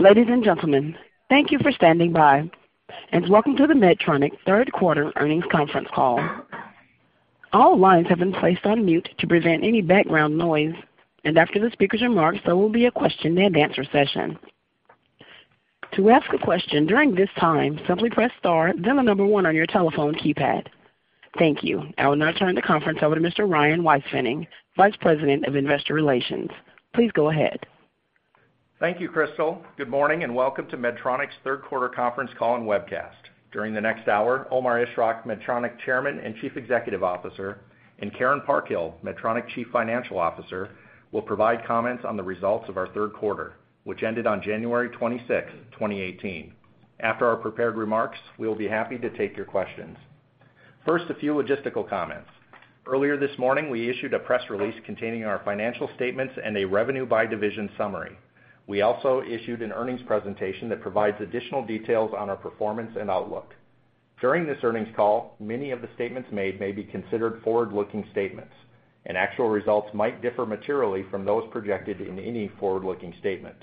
Ladies and gentlemen, thank you for standing by, and welcome to the Medtronic third quarter earnings conference call. All lines have been placed on mute to prevent any background noise. After the speaker's remarks, there will be a question-and-answer session. To ask a question during this time, simply press star then the number 1 on your telephone keypad. Thank you. I will now turn the conference over to Mr. Ryan Weispfenning, Vice President of Investor Relations. Please go ahead. Thank you, Crystal. Good morning, and welcome to Medtronic's third quarter conference call and webcast. During the next hour, Omar Ishrak, Medtronic Chairman and Chief Executive Officer, and Karen Parkhill, Medtronic Chief Financial Officer, will provide comments on the results of our third quarter, which ended on January 26, 2018. After our prepared remarks, we will be happy to take your questions. First, a few logistical comments. Earlier this morning, we issued a press release containing our financial statements and a revenue by division summary. We also issued an earnings presentation that provides additional details on our performance and outlook. During this earnings call, many of the statements made may be considered forward-looking statements. Actual results might differ materially from those projected in any forward-looking statement.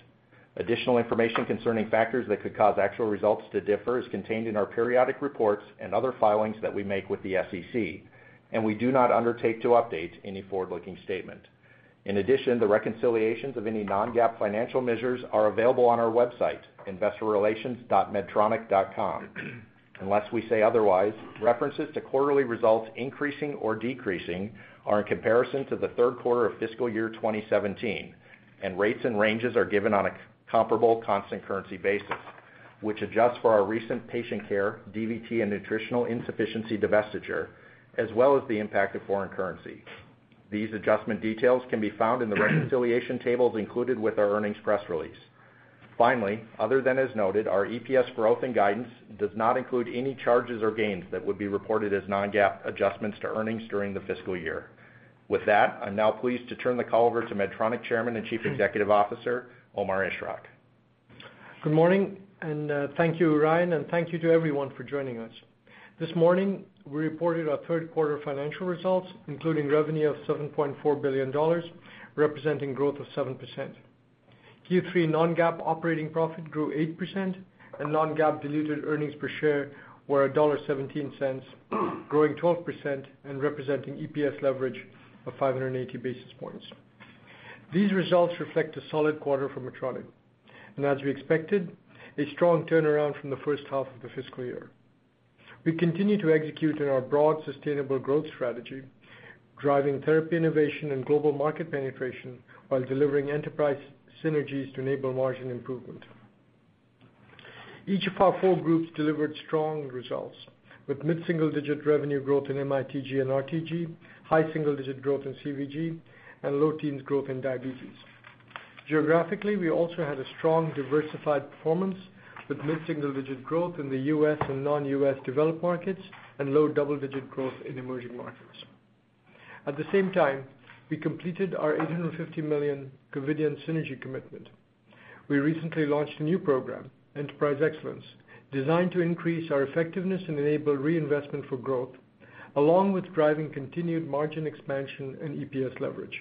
Additional information concerning factors that could cause actual results to differ is contained in our periodic reports and other filings that we make with the SEC, and we do not undertake to update any forward-looking statement. In addition, the reconciliations of any non-GAAP financial measures are available on our website, investorrelations.medtronic.com. Unless we say otherwise, references to quarterly results increasing or decreasing are in comparison to the third quarter of fiscal year 2017, and rates and ranges are given on a comparable constant currency basis, which adjusts for our recent patient care, DVT, and nutritional insufficiency divestiture, as well as the impact of foreign currency. These adjustment details can be found in the reconciliation tables included with our earnings press release. Finally, other than as noted, our EPS growth and guidance does not include any charges or gains that would be reported as non-GAAP adjustments to earnings during the fiscal year. With that, I'm now pleased to turn the call over to Medtronic Chairman and Chief Executive Officer, Omar Ishrak. Good morning. Thank you, Ryan, and thank you to everyone for joining us. This morning, we reported our third quarter financial results, including revenue of $7.4 billion, representing growth of 7%. Q3 non-GAAP operating profit grew 8% and non-GAAP diluted earnings per share were $1.17, growing 12% and representing EPS leverage of 580 basis points. These results reflect a solid quarter for Medtronic. As we expected, a strong turnaround from the first half of the fiscal year. We continue to execute on our broad sustainable growth strategy, driving therapy innovation and global market penetration while delivering enterprise synergies to enable margin improvement. Each of our four groups delivered strong results, with mid-single-digit revenue growth in MITG and RTG, high single-digit growth in CVG, and low teens growth in diabetes. Geographically, we also had a strong, diversified performance with mid-single-digit growth in the U.S. and non-U.S. developed markets and low double-digit growth in emerging markets. At the same time, we completed our $850 million Covidien synergy commitment. We recently launched a new program, Enterprise Excellence, designed to increase our effectiveness and enable reinvestment for growth, along with driving continued margin expansion and EPS leverage.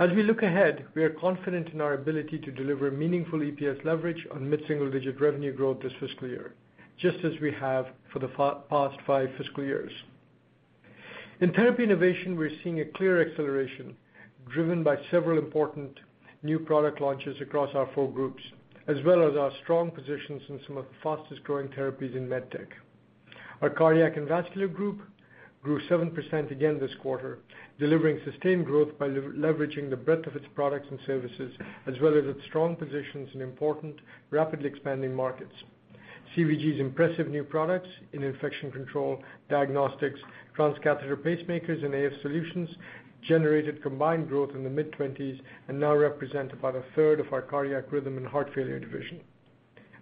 As we look ahead, we are confident in our ability to deliver meaningful EPS leverage on mid-single-digit revenue growth this fiscal year, just as we have for the past five fiscal years. In therapy innovation, we're seeing a clear acceleration driven by several important new product launches across our four groups, as well as our strong positions in some of the fastest-growing therapies in med tech. Our cardiac and vascular group grew 7% again this quarter, delivering sustained growth by leveraging the breadth of its products and services, as well as its strong positions in important, rapidly expanding markets. CVG's impressive new products in infection control, diagnostics, transcatheter pacemakers, and AF solutions generated combined growth in the mid-20s and now represent about a third of our cardiac rhythm and heart failure division.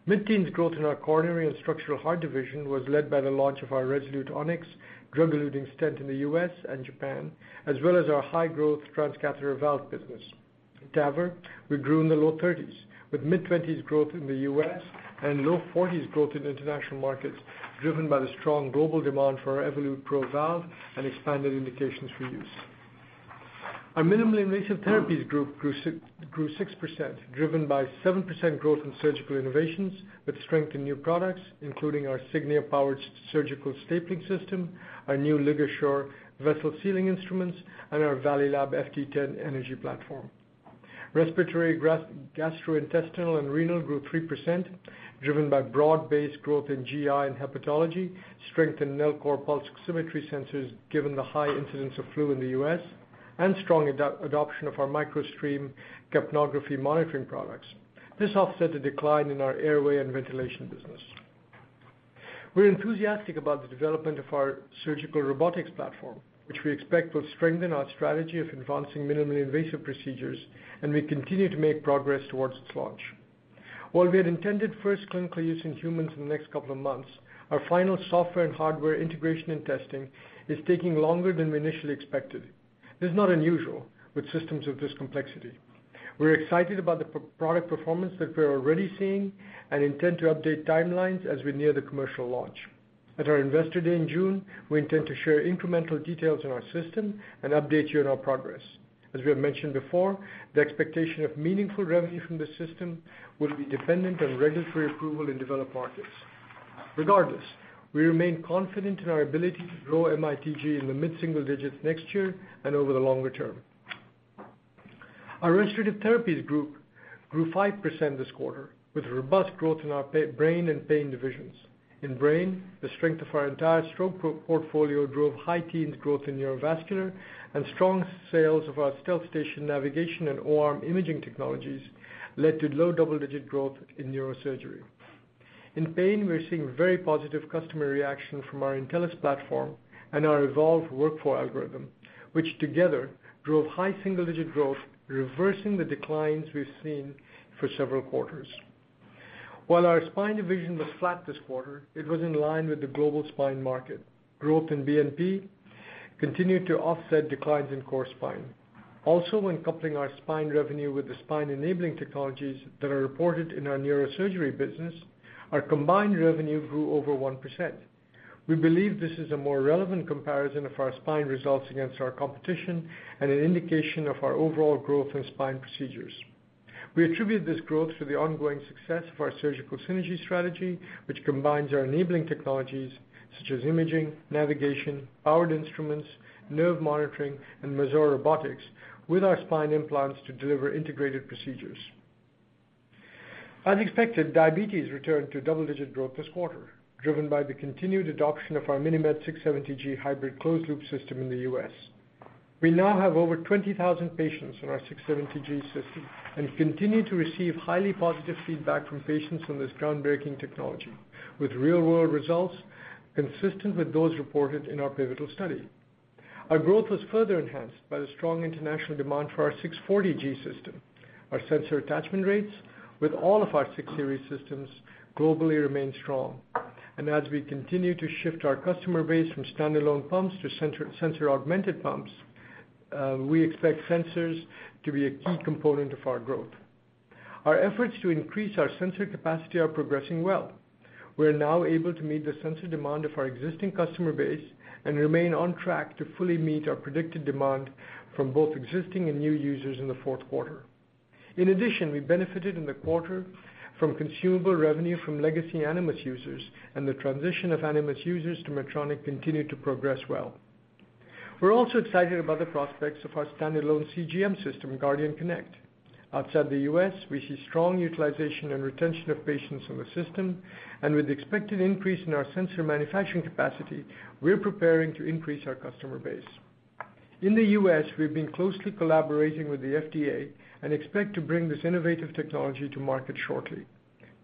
Mid-teens growth in our coronary and structural heart division was led by the launch of our Resolute Onyx drug-eluting stent in the U.S. and Japan, as well as our high-growth transcatheter valve business. In TAVR, we grew in the low 30s, with mid-20s growth in the U.S. and low 40s growth in international markets, driven by the strong global demand for our Evolut PRO valve and expanded indications for use. Our minimally invasive therapies group grew 6%, driven by 7% growth in surgical innovations with strength in new products, including our Signia-powered surgical stapling system, our new LigaSure vessel sealing instruments, and our Valleylab FT10 energy platform. Respiratory, gastrointestinal, and renal grew 3%, driven by broad-based growth in GI and hepatology, strength in Nellcor pulse oximetry sensors given the high incidence of flu in the U.S., and strong adoption of our Microstream capnography monitoring products. This offset the decline in our airway and ventilation business. We're enthusiastic about the development of our surgical robotics platform, which we expect will strengthen our strategy of advancing minimally invasive procedures. We continue to make progress towards its launch. While we had intended first clinical use in humans in the next couple of months, our final software and hardware integration and testing is taking longer than we initially expected. This is not unusual with systems of this complexity. We're excited about the product performance that we're already seeing and intend to update timelines as we near the commercial launch. At our investor day in June, we intend to share incremental details on our system and update you on our progress. As we have mentioned before, the expectation of meaningful revenue from the system will be dependent on regulatory approval in developed markets. Regardless, we remain confident in our ability to grow MITG in the mid-single digits next year and over the longer term. Our Restorative Therapies Group grew 5% this quarter, with robust growth in our brain and pain divisions. In brain, the strength of our entire stroke portfolio drove high teens growth in neurovascular, and strong sales of our StealthStation navigation and O-arm imaging technologies led to low double-digit growth in neurosurgery. In pain, we're seeing very positive customer reaction from our Intellis platform and our evolved workflow algorithm, which together drove high single-digit growth, reversing the declines we've seen for several quarters. While our spine division was flat this quarter, it was in line with the global spine market. Growth in BMP continued to offset declines in core spine. When coupling our spine revenue with the spine-enabling technologies that are reported in our neurosurgery business, our combined revenue grew over 1%. We believe this is a more relevant comparison of our spine results against our competition and an indication of our overall growth in spine procedures. We attribute this growth to the ongoing success of our surgical synergy strategy, which combines our enabling technologies such as imaging, navigation, powered instruments, nerve monitoring, and Mazor Robotics, with our spine implants to deliver integrated procedures. As expected, diabetes returned to double-digit growth this quarter, driven by the continued adoption of our MiniMed 670G hybrid closed-loop system in the U.S. We now have over 20,000 patients on our 670G system and continue to receive highly positive feedback from patients on this groundbreaking technology, with real-world results consistent with those reported in our pivotal study. Our growth was further enhanced by the strong international demand for our 640G system. Our sensor attachment rates with all of our 600 systems globally remain strong. As we continue to shift our customer base from standalone pumps to sensor-augmented pumps, we expect sensors to be a key component of our growth. Our efforts to increase our sensor capacity are progressing well. We are now able to meet the sensor demand of our existing customer base and remain on track to fully meet our predicted demand from both existing and new users in the fourth quarter. In addition, we benefited in the quarter from consumable revenue from legacy Animas users and the transition of Animas users to Medtronic continued to progress well. We're also excited about the prospects of our standalone CGM system, Guardian Connect. Outside the U.S., we see strong utilization and retention of patients on the system, and with the expected increase in our sensor manufacturing capacity, we are preparing to increase our customer base. In the U.S., we've been closely collaborating with the FDA and expect to bring this innovative technology to market shortly.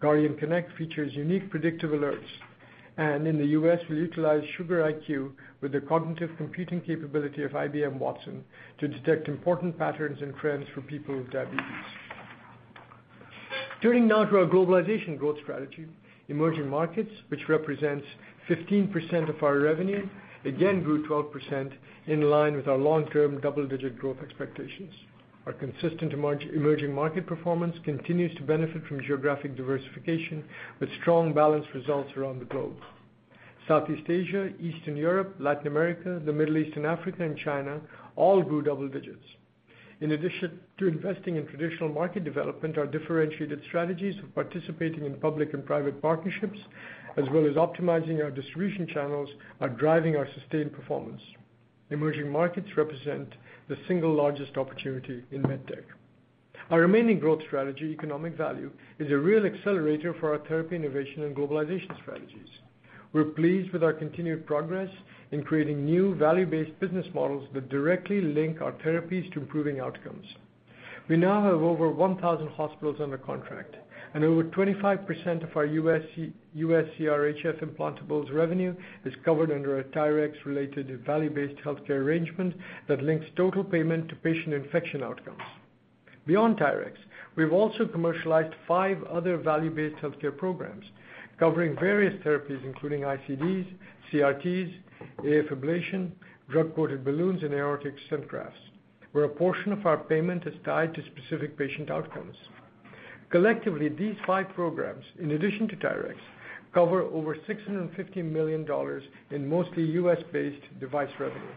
Guardian Connect features unique predictive alerts. In the U.S., we utilize Sugar.IQ with the cognitive computing capability of IBM Watson to detect important patterns and trends for people with diabetes. Turning now to our globalization growth strategy. Emerging markets, which represents 15% of our revenue, again grew 12% in line with our long-term double-digit growth expectations. Our consistent emerging market performance continues to benefit from geographic diversification with strong balanced results around the globe. Southeast Asia, Eastern Europe, Latin America, the Middle East and Africa, and China all grew double digits. In addition to investing in traditional market development, our differentiated strategies of participating in public and private partnerships, as well as optimizing our distribution channels, are driving our sustained performance. Emerging markets represent the single largest opportunity in medtech. Our remaining growth strategy, economic value, is a real accelerator for our therapy innovation and globalization strategies. We're pleased with our continued progress in creating new value-based business models that directly link our therapies to improving outcomes. We now have over 1,000 hospitals under contract. Over 25% of our U.S. CRHF implantables revenue is covered under a TYRX-related value-based healthcare arrangement that links total payment to patient infection outcomes. Beyond TYRX, we've also commercialized five other value-based healthcare programs covering various therapies, including ICDs, CRTs, AFib ablation, drug-coated balloons, and aortic stent grafts, where a portion of our payment is tied to specific patient outcomes. Collectively, these five programs, in addition to TYRX, cover over $650 million in mostly U.S.-based device revenue.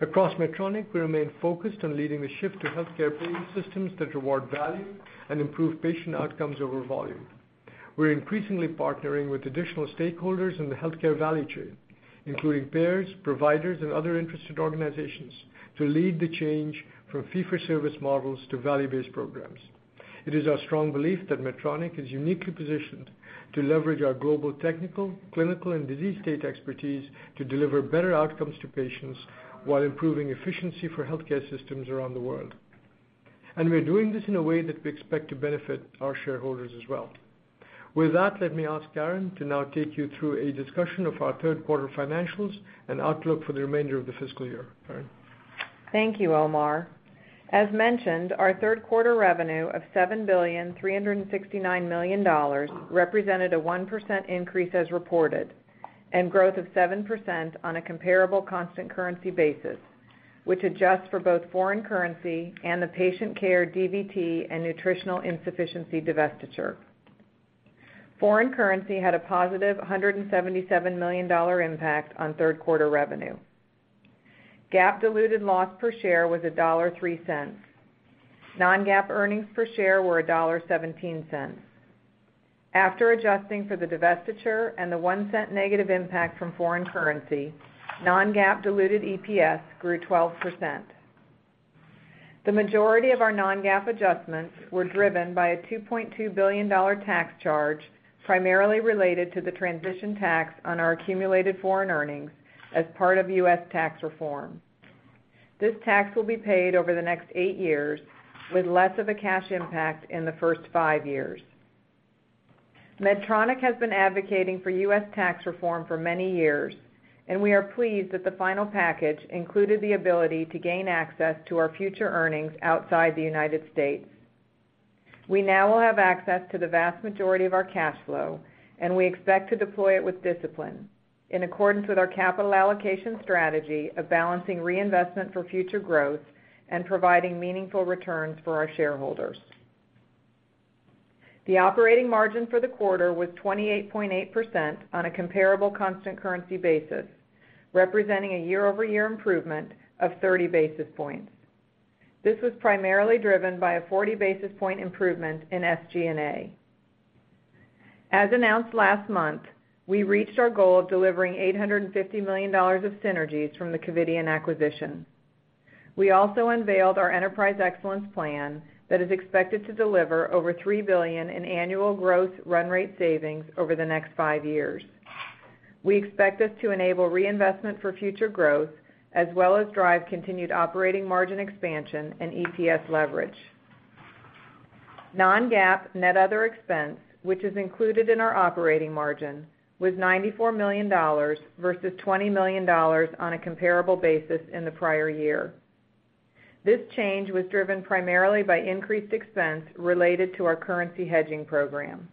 Across Medtronic, we remain focused on leading the shift to healthcare payment systems that reward value and improve patient outcomes over volume. We're increasingly partnering with additional stakeholders in the healthcare value chain, including payers, providers, and other interested organizations to lead the change from fee-for-service models to value-based programs. It is our strong belief that Medtronic is uniquely positioned to leverage our global technical, clinical, and disease state expertise to deliver better outcomes to patients while improving efficiency for healthcare systems around the world. We are doing this in a way that we expect to benefit our shareholders as well. With that, let me ask Karen to now take you through a discussion of our third quarter financials and outlook for the remainder of the fiscal year. Karen? Thank you, Omar. As mentioned, our third quarter revenue of $7.369 billion represented a 1% increase as reported and growth of 7% on a comparable constant currency basis. Which adjusts for both foreign currency and the patient care DVT and nutritional insufficiency divestiture. Foreign currency had a positive $177 million impact on third-quarter revenue. GAAP diluted loss per share was $1.03. Non-GAAP earnings per share were $1.17. After adjusting for the divestiture and the $0.01 negative impact from foreign currency, non-GAAP diluted EPS grew 12%. The majority of our non-GAAP adjustments were driven by a $2.2 billion tax charge, primarily related to the transition tax on our accumulated foreign earnings as part of U.S. tax reform. This tax will be paid over the next eight years with less of a cash impact in the first five years. Medtronic has been advocating for U.S. tax reform for many years. We are pleased that the final package included the ability to gain access to our future earnings outside the United States. We now will have access to the vast majority of our cash flow, and we expect to deploy it with discipline in accordance with our capital allocation strategy of balancing reinvestment for future growth and providing meaningful returns for our shareholders. The operating margin for the quarter was 28.8% on a comparable constant currency basis, representing a year-over-year improvement of 30 basis points. This was primarily driven by a 40 basis point improvement in SG&A. As announced last month, we reached our goal of delivering $850 million of synergies from the Covidien acquisition. We also unveiled our Enterprise Excellence plan that is expected to deliver over $3 billion in annual growth run rate savings over the next five years. We expect this to enable reinvestment for future growth, as well as drive continued operating margin expansion and EPS leverage. Non-GAAP net other expense, which is included in our operating margin, was $94 million versus $20 million on a comparable basis in the prior year. This change was driven primarily by increased expense related to our currency hedging program.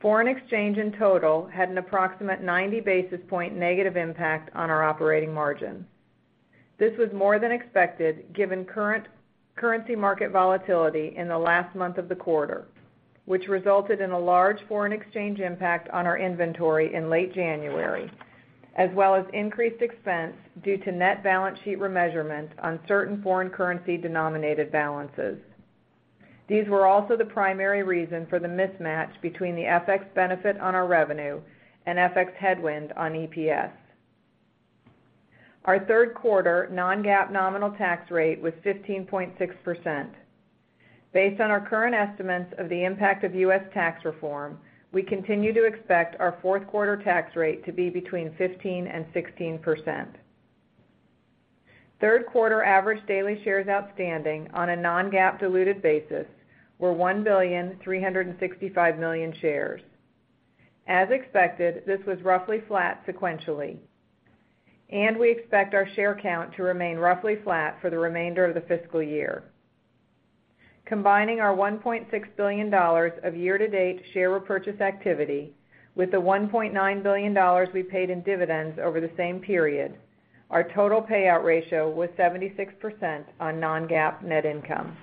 Foreign exchange in total had an approximate 90 basis point negative impact on our operating margin. This was more than expected given current currency market volatility in the last month of the quarter, which resulted in a large foreign exchange impact on our inventory in late January, as well as increased expense due to net balance sheet remeasurement on certain foreign currency denominated balances. These were also the primary reason for the mismatch between the FX benefit on our revenue and FX headwind on EPS. Our third quarter non-GAAP nominal tax rate was 15.6%. Based on our current estimates of the impact of U.S. tax reform, we continue to expect our fourth quarter tax rate to be between 15% and 16%. Third quarter average daily shares outstanding on a non-GAAP diluted basis were 1,365,000,000 shares. As expected, this was roughly flat sequentially, and we expect our share count to remain roughly flat for the remainder of the fiscal year. Combining our $1.6 billion of year-to-date share repurchase activity with the $1.9 billion we paid in dividends over the same period, our total payout ratio was 76% on non-GAAP net income.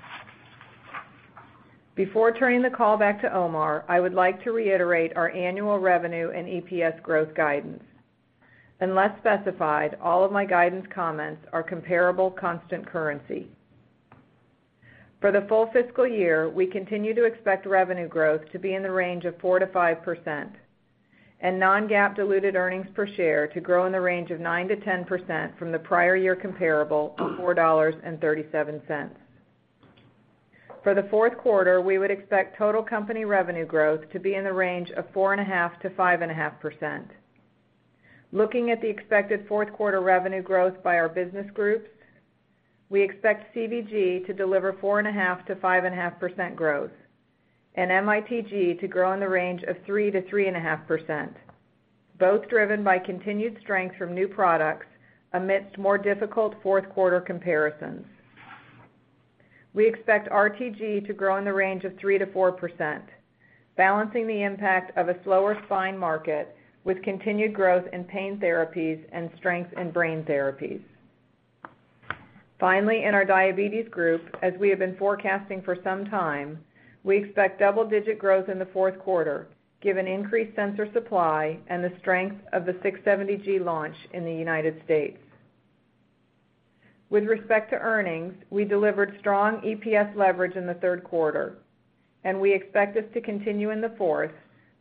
Before turning the call back to Omar, I would like to reiterate our annual revenue and EPS growth guidance. Unless specified, all of my guidance comments are comparable constant currency. For the full fiscal year, we continue to expect revenue growth to be in the range of 4%-5% and non-GAAP diluted earnings per share to grow in the range of 9%-10% from the prior year comparable of $4.37. For the fourth quarter, we would expect total company revenue growth to be in the range of 4.5%-5.5%. Looking at the expected fourth quarter revenue growth by our business groups, we expect CVG to deliver 4.5%-5.5% growth and MITG to grow in the range of 3%-3.5%, both driven by continued strength from new products amidst more difficult fourth quarter comparisons. We expect RTG to grow in the range of 3%-4%, balancing the impact of a slower spine market with continued growth in pain therapies and strength in brain therapies. Finally, in our Diabetes Group, as we have been forecasting for some time, we expect double-digit growth in the fourth quarter given increased sensor supply and the strength of the 670G launch in the U.S. With respect to earnings, we delivered strong EPS leverage in the third quarter, and we expect this to continue in the fourth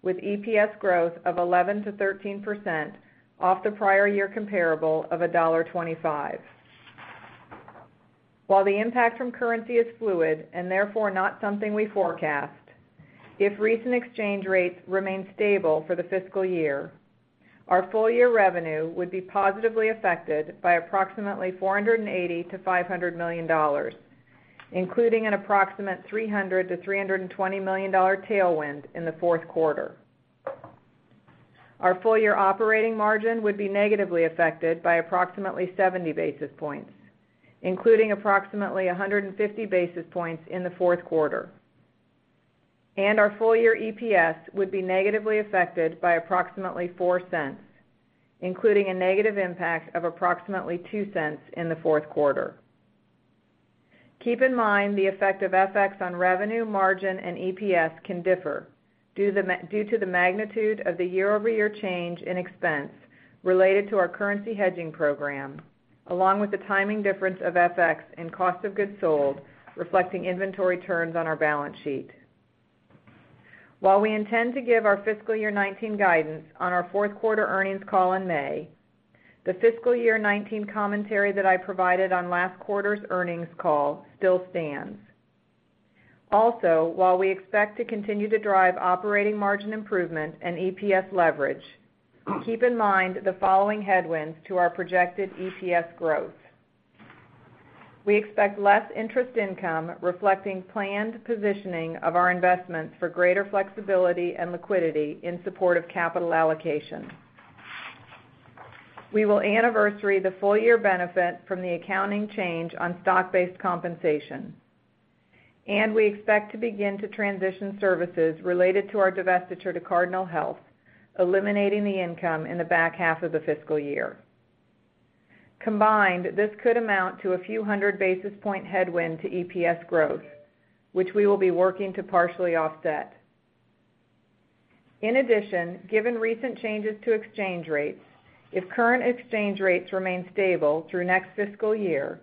with EPS growth of 11%-13% off the prior year comparable of $1.25. While the impact from currency is fluid and therefore not something we forecast, if recent exchange rates remain stable for the fiscal year, our full-year revenue would be positively affected by approximately $480 million to $500 million, including an approximate $300 million to $320 million tailwind in the fourth quarter. Our full-year operating margin would be negatively affected by approximately 70 basis points, including approximately 150 basis points in the fourth quarter. Our full-year EPS would be negatively affected by approximately $0.04, including a negative impact of approximately $0.02 in the fourth quarter. Keep in mind, the effect of FX on revenue, margin, and EPS can differ due to the magnitude of the year-over-year change in expense related to our currency hedging program, along with the timing difference of FX and cost of goods sold, reflecting inventory turns on our balance sheet. While we intend to give our fiscal year 2019 guidance on our fourth quarter earnings call in May, the fiscal year 2019 commentary that I provided on last quarter's earnings call still stands. While we expect to continue to drive operating margin improvement and EPS leverage, keep in mind the following headwinds to our projected EPS growth. We expect less interest income reflecting planned positioning of our investments for greater flexibility and liquidity in support of capital allocation. We will anniversary the full-year benefit from the accounting change on stock-based compensation, and we expect to begin to transition services related to our divestiture to Cardinal Health, eliminating the income in the back half of the fiscal year. Combined, this could amount to a few hundred basis points headwind to EPS growth, which we will be working to partially offset. Given recent changes to exchange rates, if current exchange rates remain stable through next fiscal year,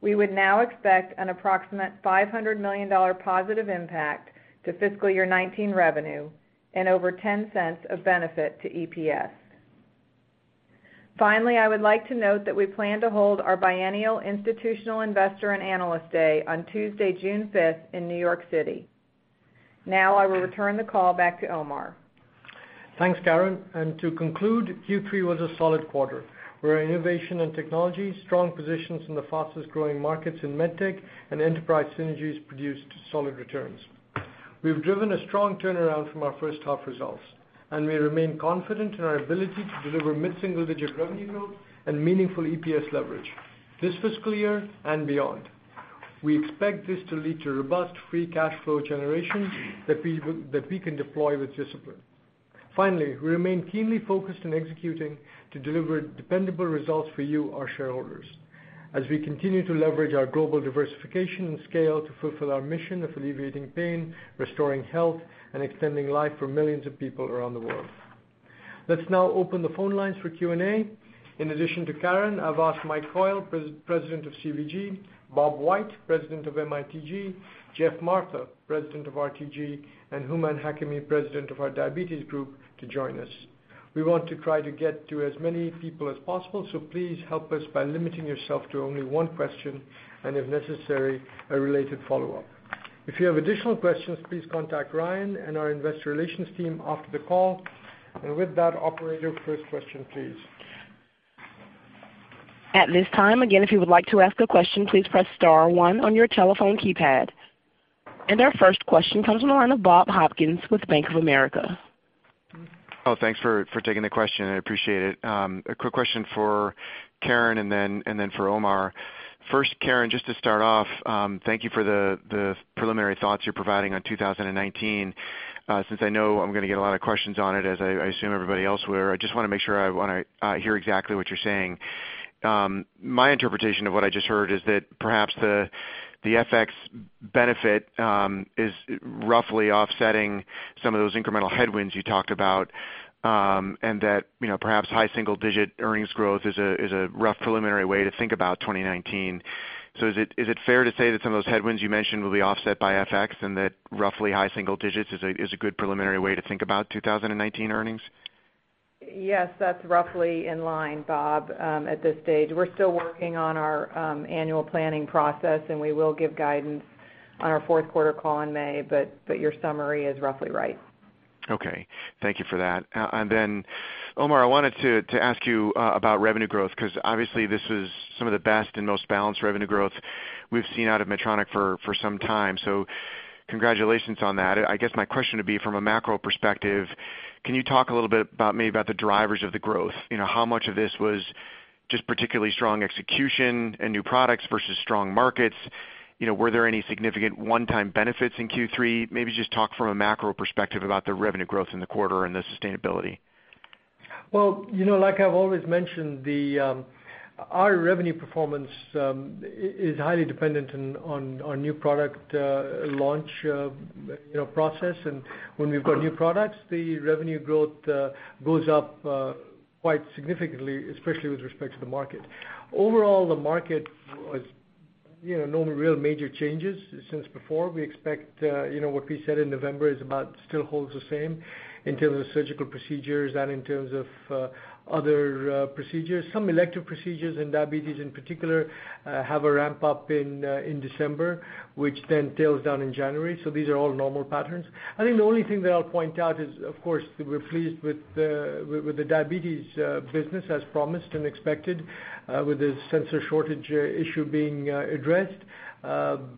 we would now expect an approximate $500 million positive impact to fiscal year 2019 revenue and over $0.10 of benefit to EPS. I would like to note that we plan to hold our biennial institutional investor and analyst day on Tuesday, June 5th in New York City. I will return the call back to Omar. Thanks, Karen. To conclude, Q3 was a solid quarter, where innovation and technology, strong positions in the fastest-growing markets in medtech and enterprise synergies produced solid returns. We've driven a strong turnaround from our first half results, and we remain confident in our ability to deliver mid-single-digit revenue growth and meaningful EPS leverage this fiscal year and beyond. We expect this to lead to robust free cash flow generation that we can deploy with discipline. We remain keenly focused on executing to deliver dependable results for you, our shareholders, as we continue to leverage our global diversification and scale to fulfill our mission of alleviating pain, restoring health, and extending life for millions of people around the world. Let's now open the phone lines for Q&A. In addition to Karen, I've asked Mike Coyle, President of CVG, Bob White, President of MITG, Geoff Martha, President of RTG, and Hooman Hakami, President of our Diabetes Group, to join us. We want to try to get to as many people as possible, so please help us by limiting yourself to only one question and, if necessary, a related follow-up. If you have additional questions, please contact Ryan and our investor relations team after the call. With that, operator, first question please. At this time, again, if you would like to ask a question, please press star one on your telephone keypad. Our first question comes from the line of Bob Hopkins with Bank of America. Oh, thanks for taking the question. I appreciate it. A quick question for Karen and then for Omar. First, Karen, just to start off, thank you for the preliminary thoughts you're providing on 2019. Since I know I'm going to get a lot of questions on it, as I assume everybody else will, I just want to make sure I hear exactly what you're saying. My interpretation of what I just heard is that perhaps the FX benefit is roughly offsetting some of those incremental headwinds you talked about, and that perhaps high single-digit earnings growth is a rough preliminary way to think about 2019. Is it fair to say that some of those headwinds you mentioned will be offset by FX and that roughly high single-digits is a good preliminary way to think about 2019 earnings? Yes, that's roughly in line, Bob, at this stage. We're still working on our annual planning process, and we will give guidance on our fourth quarter call in May, but your summary is roughly right. Okay. Thank you for that. Omar, I wanted to ask you about revenue growth, because obviously, this was some of the best and most balanced revenue growth we've seen out of Medtronic for some time. Congratulations on that. I guess my question would be from a macro perspective, can you talk a little bit about maybe about the drivers of the growth? How much of this was just particularly strong execution and new products versus strong markets? Were there any significant one-time benefits in Q3? Maybe just talk from a macro perspective about the revenue growth in the quarter and the sustainability. Well, like I've always mentioned, our revenue performance is highly dependent on new product launch process. When we've got new products, the revenue growth goes up quite significantly, especially with respect to the market. Overall, the market was no real major changes since before. We expect what we said in November still holds the same in terms of surgical procedures and in terms of other procedures. Some elective procedures in diabetes, in particular, have a ramp up in December, which then tails down in January. These are all normal patterns. I think the only thing that I'll point out is, of course, we're pleased with the diabetes business as promised and expected, with the sensor shortage issue being addressed,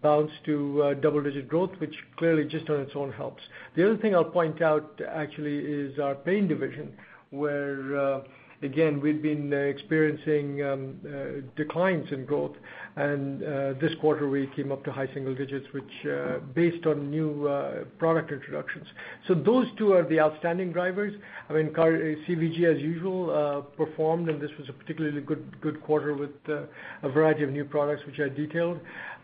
bounced to double-digit growth, which clearly just on its own helps. The other thing I'll point out, actually, is our pain division, where again, we've been experiencing declines in growth, and this quarter we came up to high single digits, based on new product introductions. Those two are the outstanding drivers. CVG, as usual, performed, this was a particularly good quarter with a variety of new products, which I detailed.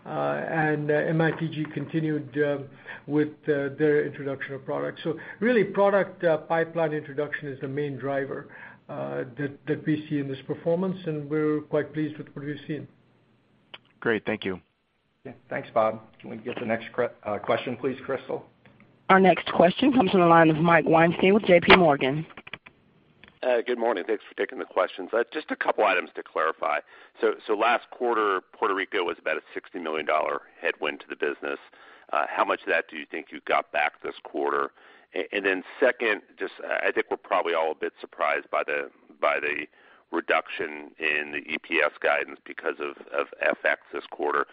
MITG continued with their introduction of products. Really, product pipeline introduction is the main driver that we see in this performance, and we're quite pleased with what we've seen. Great. Thank you. Yeah. Thanks, Bob. Can we get the next question please, Crystal? Our next question comes from the line of Mike Weinstein with JPMorgan. Good morning. Thanks for taking the questions. Just a couple items to clarify. Last quarter, Puerto Rico was about a $60 million headwind to the business. How much of that do you think you got back this quarter? Second, I think we're probably all a bit surprised by the reduction in the EPS guidance because of FX this quarter.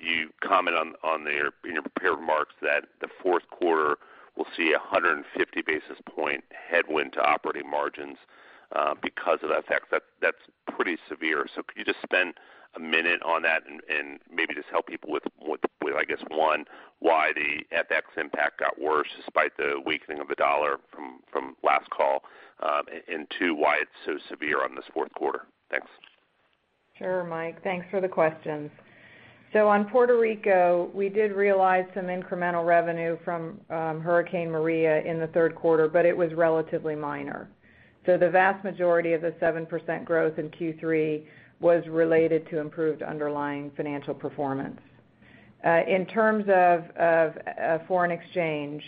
You comment on in your prepared remarks that the fourth quarter will see 150 basis point headwind to operating margins, because of FX. That's pretty severe. Could you just spend a minute on that and maybe just help people with, I guess, one, why the FX impact got worse despite the weakening of the dollar from last call? Two, why it's so severe on this fourth quarter. Thanks. Sure, Mike. Thanks for the questions. On Puerto Rico, we did realize some incremental revenue from Hurricane Maria in the third quarter, but it was relatively minor. The vast majority of the 7% growth in Q3 was related to improved underlying financial performance. In terms of foreign exchange,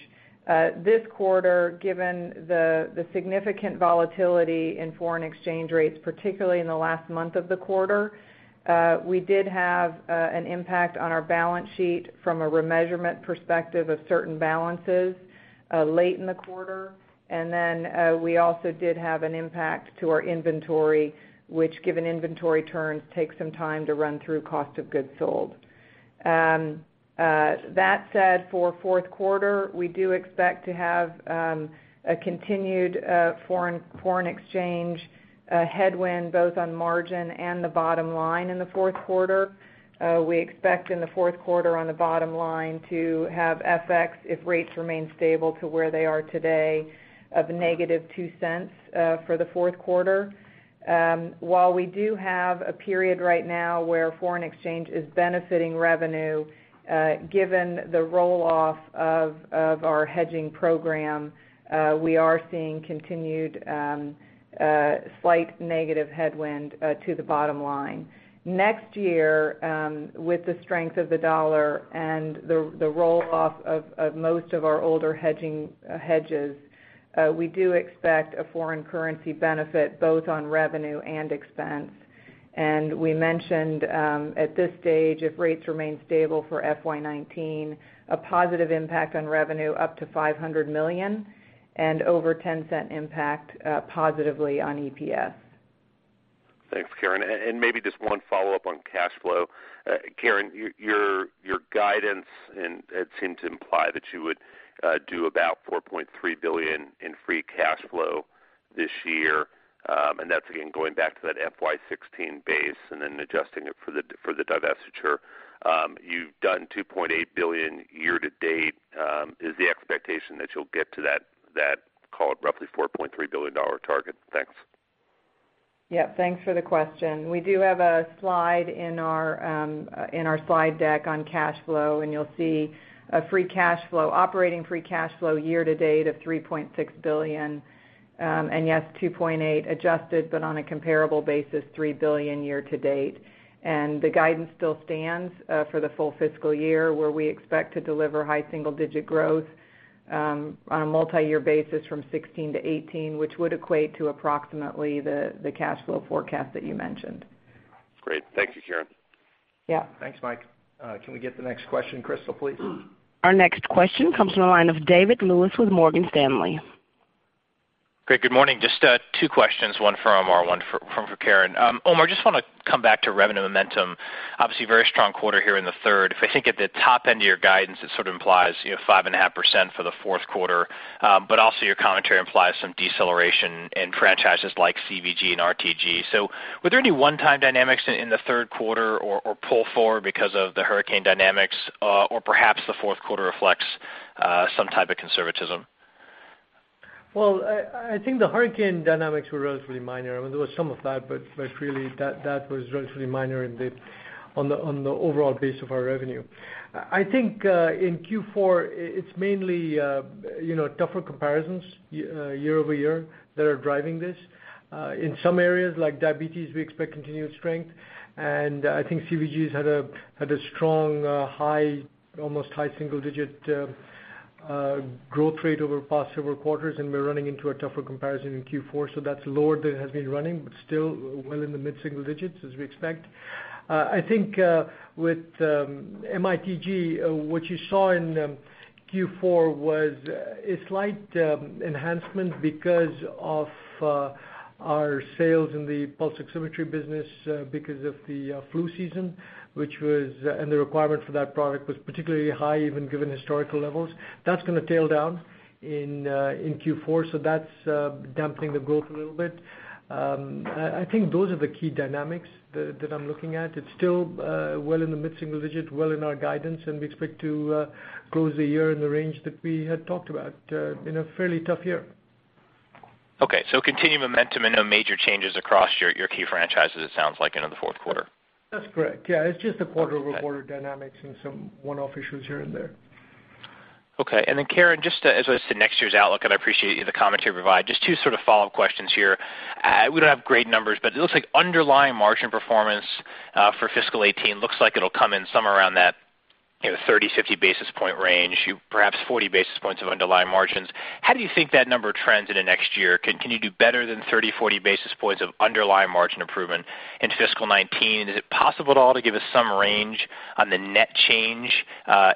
this quarter, given the significant volatility in foreign exchange rates, particularly in the last month of the quarter, we did have an impact on our balance sheet from a remeasurement perspective of certain balances late in the quarter. We also did have an impact to our inventory, which given inventory turns, take some time to run through cost of goods sold. That said, for fourth quarter, we do expect to have a continued foreign exchange headwind, both on margin and the bottom line in the fourth quarter. We expect in the fourth quarter on the bottom line to have FX, if rates remain stable to where they are today, of negative $0.02 for the fourth quarter. While we do have a period right now where foreign exchange is benefiting revenue, given the roll-off of our hedging program, we are seeing continued slight negative headwind to the bottom line. Next year, with the strength of the dollar and the roll-off of most of our older hedges, we do expect a foreign currency benefit both on revenue and expense. We mentioned, at this stage, if rates remain stable for FY 2019, a positive impact on revenue up to $500 million and over $0.10 impact, positively on EPS. Thanks, Karen. Maybe just one follow-up on cash flow. Karen, your guidance seemed to imply that you would do about $4.3 billion in free cash flow this year. That's, again, going back to that FY 2016 base and then adjusting it for the divestiture. You've done $2.8 billion year to date. Is the expectation that you'll get to that, call it, roughly $4.3 billion target? Thanks. Yeah. Thanks for the question. We do have a slide in our slide deck on cash flow, and you'll see operating free cash flow year to date of $3.6 billion. Yes, $2.8 adjusted, but on a comparable basis, $3 billion year to date. The guidance still stands for the full fiscal year where we expect to deliver high single-digit growth on a multi-year basis from 2016 to 2018, which would equate to approximately the cash flow forecast that you mentioned. Great. Thank you, Karen. Yeah. Thanks, Mike. Can we get the next question, Crystal, please? Our next question comes from the line of David Lewis with Morgan Stanley. Great. Good morning. Just two questions, one for Omar, one for Karen. Omar, just want to come back to revenue momentum. Obviously, very strong quarter here in the third. If I think at the top end of your guidance, it sort of implies 5.5% for the fourth quarter. Also, your commentary implies some deceleration in franchises like CVG and RTG. Were there any one-time dynamics in the third quarter or pull forward because of the hurricane dynamics, or perhaps the fourth quarter reflects some type of conservatism? Well, I think the hurricane dynamics were relatively minor. I mean, there was some of that, but really that was relatively minor on the overall base of our revenue. I think, in Q4, it's mainly tougher comparisons year-over-year that are driving this. In some areas, like diabetes, we expect continued strength. I think CVG's had a strong, almost high single-digit growth rate over the past several quarters, and we're running into a tougher comparison in Q4. That's lower than it has been running, but still well in the mid-single digits as we expect. I think with MITG, what you saw in Q4 was a slight enhancement because of our sales in the pulse oximetry business because of the flu season, the requirement for that product was particularly high, even given historical levels. That's going to tail down in Q4, so that's dampening the growth a little bit. I think those are the key dynamics that I'm looking at. It's still well in the mid-single digits, well in our guidance, and we expect to close the year in the range that we had talked about in a fairly tough year. Okay, continued momentum and no major changes across your key franchises, it sounds like, into the fourth quarter. That's correct. Yeah. It's just the quarter-over-quarter dynamics and some one-off issues here and there. Okay. Then Karen, just as to next year's outlook, and I appreciate the commentary provided, just two follow-up questions here. We don't have great numbers, but it looks like underlying margin performance for fiscal 2018 looks like it'll come in somewhere around that 30-50 basis point range, perhaps 40 basis points of underlying margins. How do you think that number trends into next year? Can you do better than 30-40 basis points of underlying margin improvement in fiscal 2019? Is it possible at all to give us some range on the net change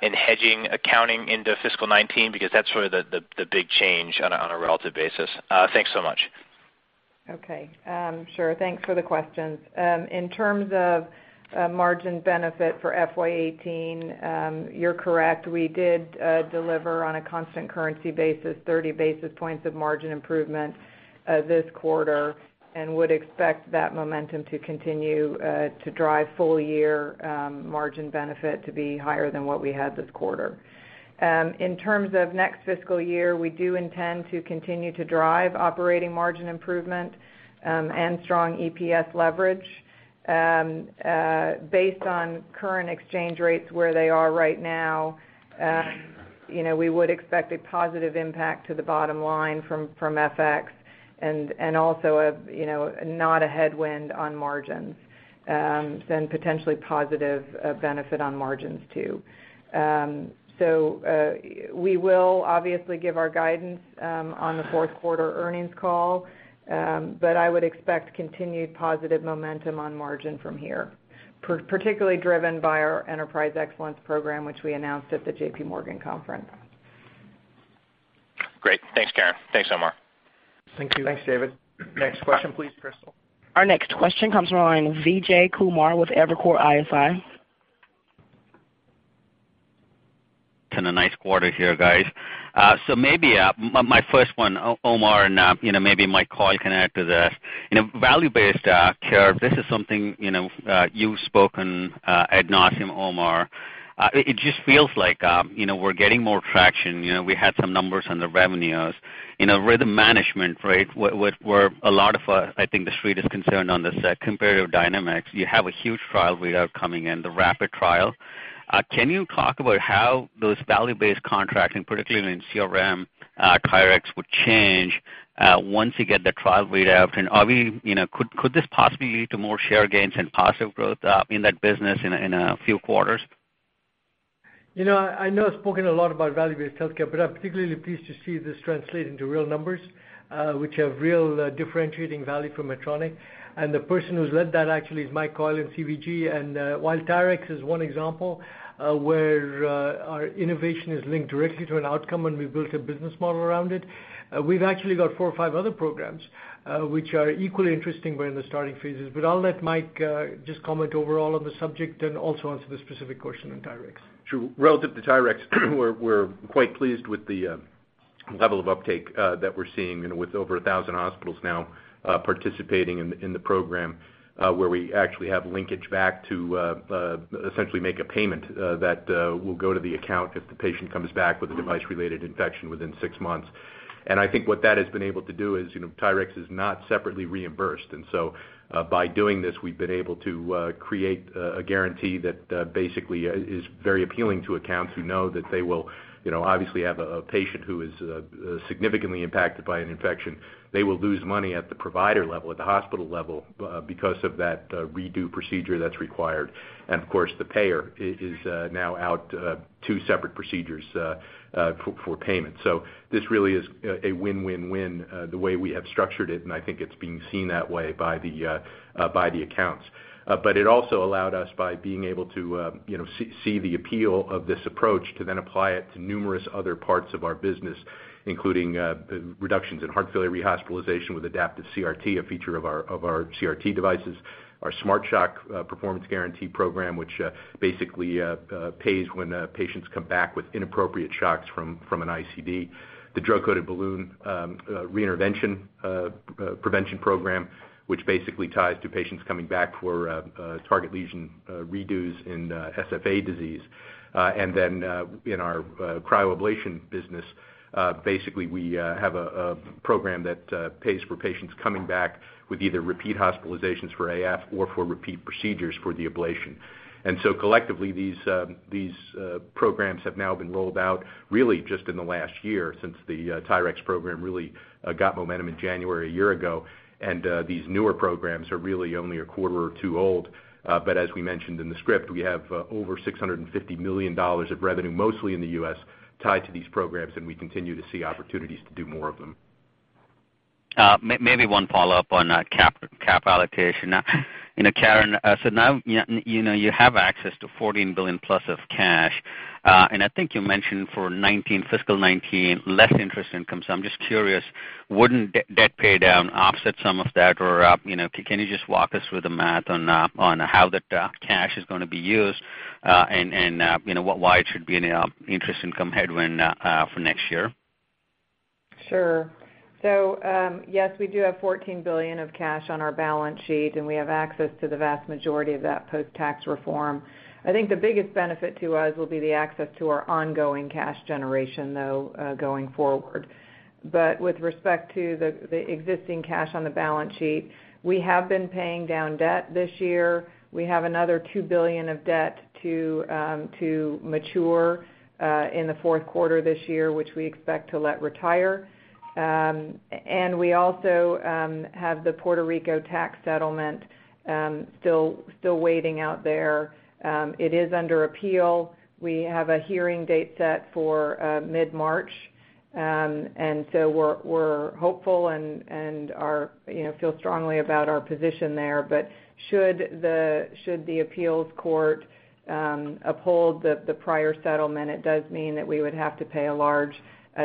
in hedging accounting into fiscal 2019? That's the big change on a relative basis. Thanks so much. Okay. Sure. Thanks for the questions. In terms of margin benefit for FY 2018, you are correct, we did deliver on a constant currency basis, 30 basis points of margin improvement this quarter, and would expect that momentum to continue to drive full year margin benefit to be higher than what we had this quarter. In terms of next fiscal year, we do intend to continue to drive operating margin improvement, and strong EPS leverage. Based on current exchange rates where they are right now, we would expect a positive impact to the bottom line from FX and also not a headwind on margins, then potentially positive benefit on margins too. We will obviously give our guidance on the fourth quarter earnings call, but I would expect continued positive momentum on margin from here, particularly driven by our Enterprise Excellence program, which we announced at the JPMorgan conference. Great. Thanks, Karen. Thanks, Omar. Thank you. Thanks, David. Next question please, Crystal. Our next question comes from the line, Vijay Kumar with Evercore ISI. It's been a nice quarter here, guys. Maybe my first one, Omar, and maybe Mike Coyle can add to this. Value-based care, this is something you've spoken ad nauseam, Omar. It just feels like we're getting more traction. We had some numbers on the revenues. Rhythm management, where a lot of, I think the Street is concerned on this comparative dynamics. You have a huge trial read-out coming in the WRAP-IT trial. Can you talk about how those value-based contracts, and particularly in CRM, TYRX would change, once you get the trial read-out? Could this possibly lead to more share gains and positive growth in that business in a few quarters? I know I've spoken a lot about value-based healthcare, but I'm particularly pleased to see this translate into real numbers, which have real differentiating value for Medtronic. The person who's led that actually is Mike Coyle in CVG. While TYRX is one example where our innovation is linked directly to an outcome and we've built a business model around it, we've actually got four or five other programs which are equally interesting. We're in the starting phases, but I'll let Mike just comment overall on the subject and also answer the specific question on TYRX. Sure. Relative to TYRX, we're quite pleased with the level of uptake that we're seeing with over 1,000 hospitals now participating in the program, where we actually have linkage back to essentially make a payment that will go to the account if the patient comes back with a device-related infection within six months. I think what that has been able to do is, TYRX is not separately reimbursed, and so by doing this, we've been able to create a guarantee that basically is very appealing to accounts who know that they will obviously have a patient who is significantly impacted by an infection. They will lose money at the provider level, at the hospital level because of that redo procedure that's required. Of course, the payer is now out two separate procedures for payment. This really is a win-win-win the way we have structured it, I think it's being seen that way by the accounts. It also allowed us by being able to see the appeal of this approach to then apply it to numerous other parts of our business, including reductions in heart failure rehospitalization with adaptive CRT, a feature of our CRT devices. Our SmartShock performance guarantee program, which basically pays when patients come back with inappropriate shocks from an ICD. The drug-coated balloon reintervention prevention program, which basically ties to patients coming back for target lesion redos in SFA disease. In our cryoablation business, basically we have a program that pays for patients coming back with either repeat hospitalizations for AF or for repeat procedures for the ablation. Collectively, these programs have now been rolled out really just in the last year since the TYRX program really got momentum in January a year ago and these newer programs are really only a quarter or two old. As we mentioned in the script, we have over $650 million of revenue, mostly in the U.S., tied to these programs, and we continue to see opportunities to do more of them. Maybe one follow-up on cap allocation. Karen, now you have access to $14 billion plus of cash, I think you mentioned for fiscal 2019, less interest income. I'm just curious, wouldn't debt pay down offset some of that? Can you just walk us through the math on how that cash is going to be used, and why it should be an interest income headwind for next year? Sure. Yes, we do have $14 billion of cash on our balance sheet, we have access to the vast majority of that post-tax reform. I think the biggest benefit to us will be the access to our ongoing cash generation, though, going forward. With respect to the existing cash on the balance sheet, we have been paying down debt this year. We have another $2 billion of debt to mature in the fourth quarter this year, which we expect to let retire. We also have the Puerto Rico tax settlement still waiting out there. It is under appeal. We have a hearing date set for mid-March. We're hopeful and feel strongly about our position there. Should the appeals court uphold the prior settlement, it does mean that we would have to pay a large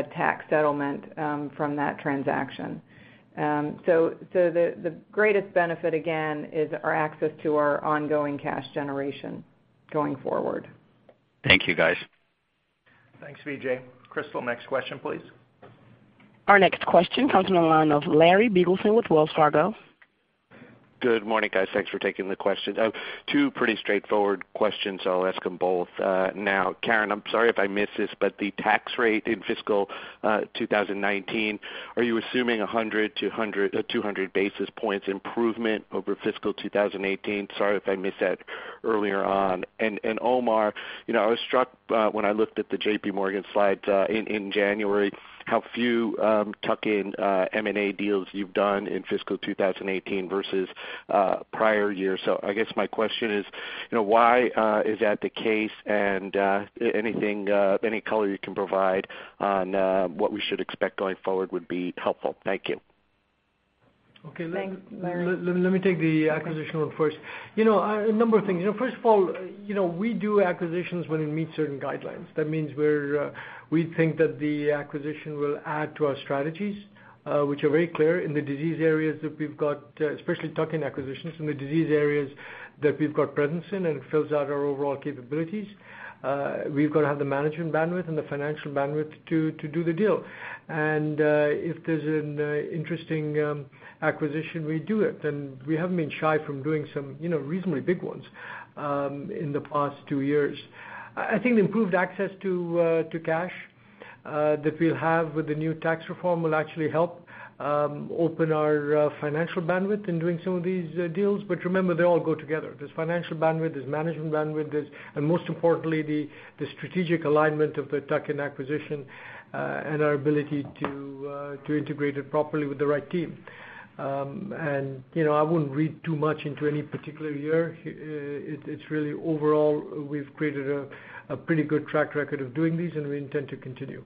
tax settlement from that transaction. The greatest benefit, again, is our access to our ongoing cash generation going forward. Thank you, guys. Thanks, Vijay. Crystal, next question, please. Our next question comes from the line of Larry Biegelsen with Wells Fargo. Good morning, guys. Thanks for taking the question. Two pretty straightforward questions, so I'll ask them both now. Karen, I'm sorry if I missed this, but the tax rate in FY 2019, are you assuming 100-200 basis points improvement over FY 2018? Sorry if I missed that earlier on. Omar, I was struck when I looked at the JPMorgan slides in January, how few tuck-in M&A deals you've done in FY 2018 versus prior years. I guess my question is, why is that the case? Any color you can provide on what we should expect going forward would be helpful. Thank you. Thanks, Larry. Okay. Let me take the acquisition one first. A number of things. First of all, we do acquisitions when we meet certain guidelines. That means we think that the acquisition will add to our strategies which are very clear in the disease areas that we've got, especially tuck-in acquisitions in the disease areas that we've got presence in, and it fills out our overall capabilities. We've got to have the management bandwidth and the financial bandwidth to do the deal. If there's an interesting acquisition, we do it. We haven't been shy from doing some reasonably big ones in the past two years. I think the improved access to cash that we'll have with the new tax reform will actually help open our financial bandwidth in doing some of these deals. Remember, they all go together. There's financial bandwidth, there's management bandwidth, and most importantly, the strategic alignment of the tuck-in acquisition and our ability to integrate it properly with the right team. I wouldn't read too much into any particular year. It's really overall, we've created a pretty good track record of doing these, and we intend to continue.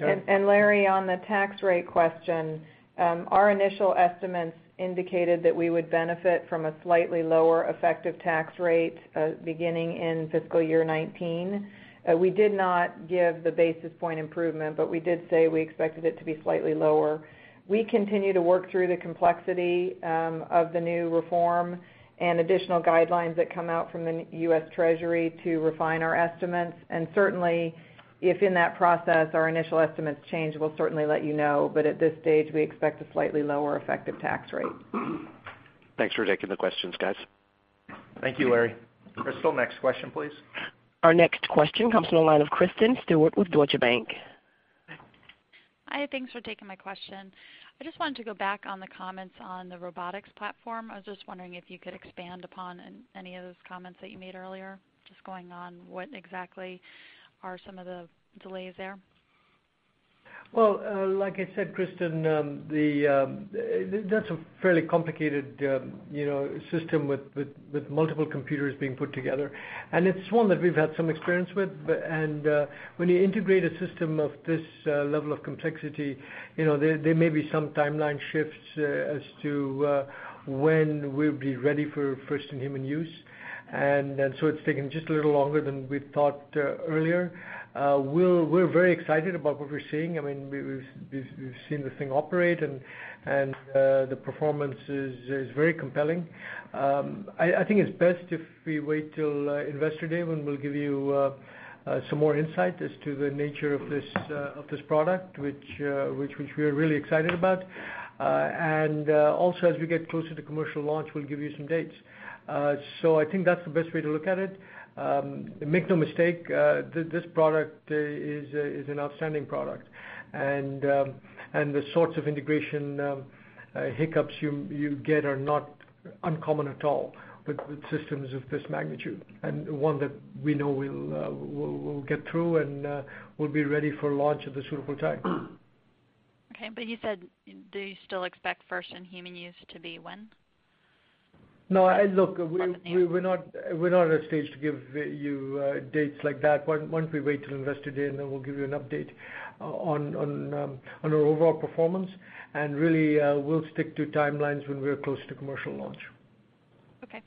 Larry, on the tax rate question, our initial estimates indicated that we would benefit from a slightly lower effective tax rate beginning in fiscal year 2019. We did not give the basis point improvement, we did say we expected it to be slightly lower. We continue to work through the complexity of the new reform and additional guidelines that come out from the U.S. Treasury to refine our estimates. Certainly, if in that process our initial estimates change, we'll certainly let you know. At this stage, we expect a slightly lower effective tax rate. Thanks for taking the questions, guys. Thank you, Larry. Crystal, next question, please. Our next question comes from the line of Kristen Stewart with Deutsche Bank. Hi, thanks for taking my question. I just wanted to go back on the comments on the robotics platform. I was just wondering if you could expand upon any of those comments that you made earlier, just going on what exactly are some of the delays there. Well, like I said, Kristen, that's a fairly complicated system with multiple computers being put together. It's one that we've had some experience with. When you integrate a system of this level of complexity, there may be some timeline shifts as to when we'll be ready for first in-human use. It's taken just a little longer than we thought earlier. We're very excited about what we're seeing. We've seen the thing operate and the performance is very compelling. I think it's best if we wait till Investor Day when we'll give you some more insight as to the nature of this product, which we're really excited about. Also, as we get closer to commercial launch, we'll give you some dates. I think that's the best way to look at it. Make no mistake, this product is an outstanding product. The sorts of integration hiccups you get are not uncommon at all with systems of this magnitude, and one that we know we'll get through and we'll be ready for launch at the suitable time. Okay. You said, do you still expect first in-human use to be when? No. On the air We're not at a stage to give you dates like that. Why don't we wait till Investor Day, and then we'll give you an update on our overall performance? Really, we'll stick to timelines when we're close to commercial launch. Okay.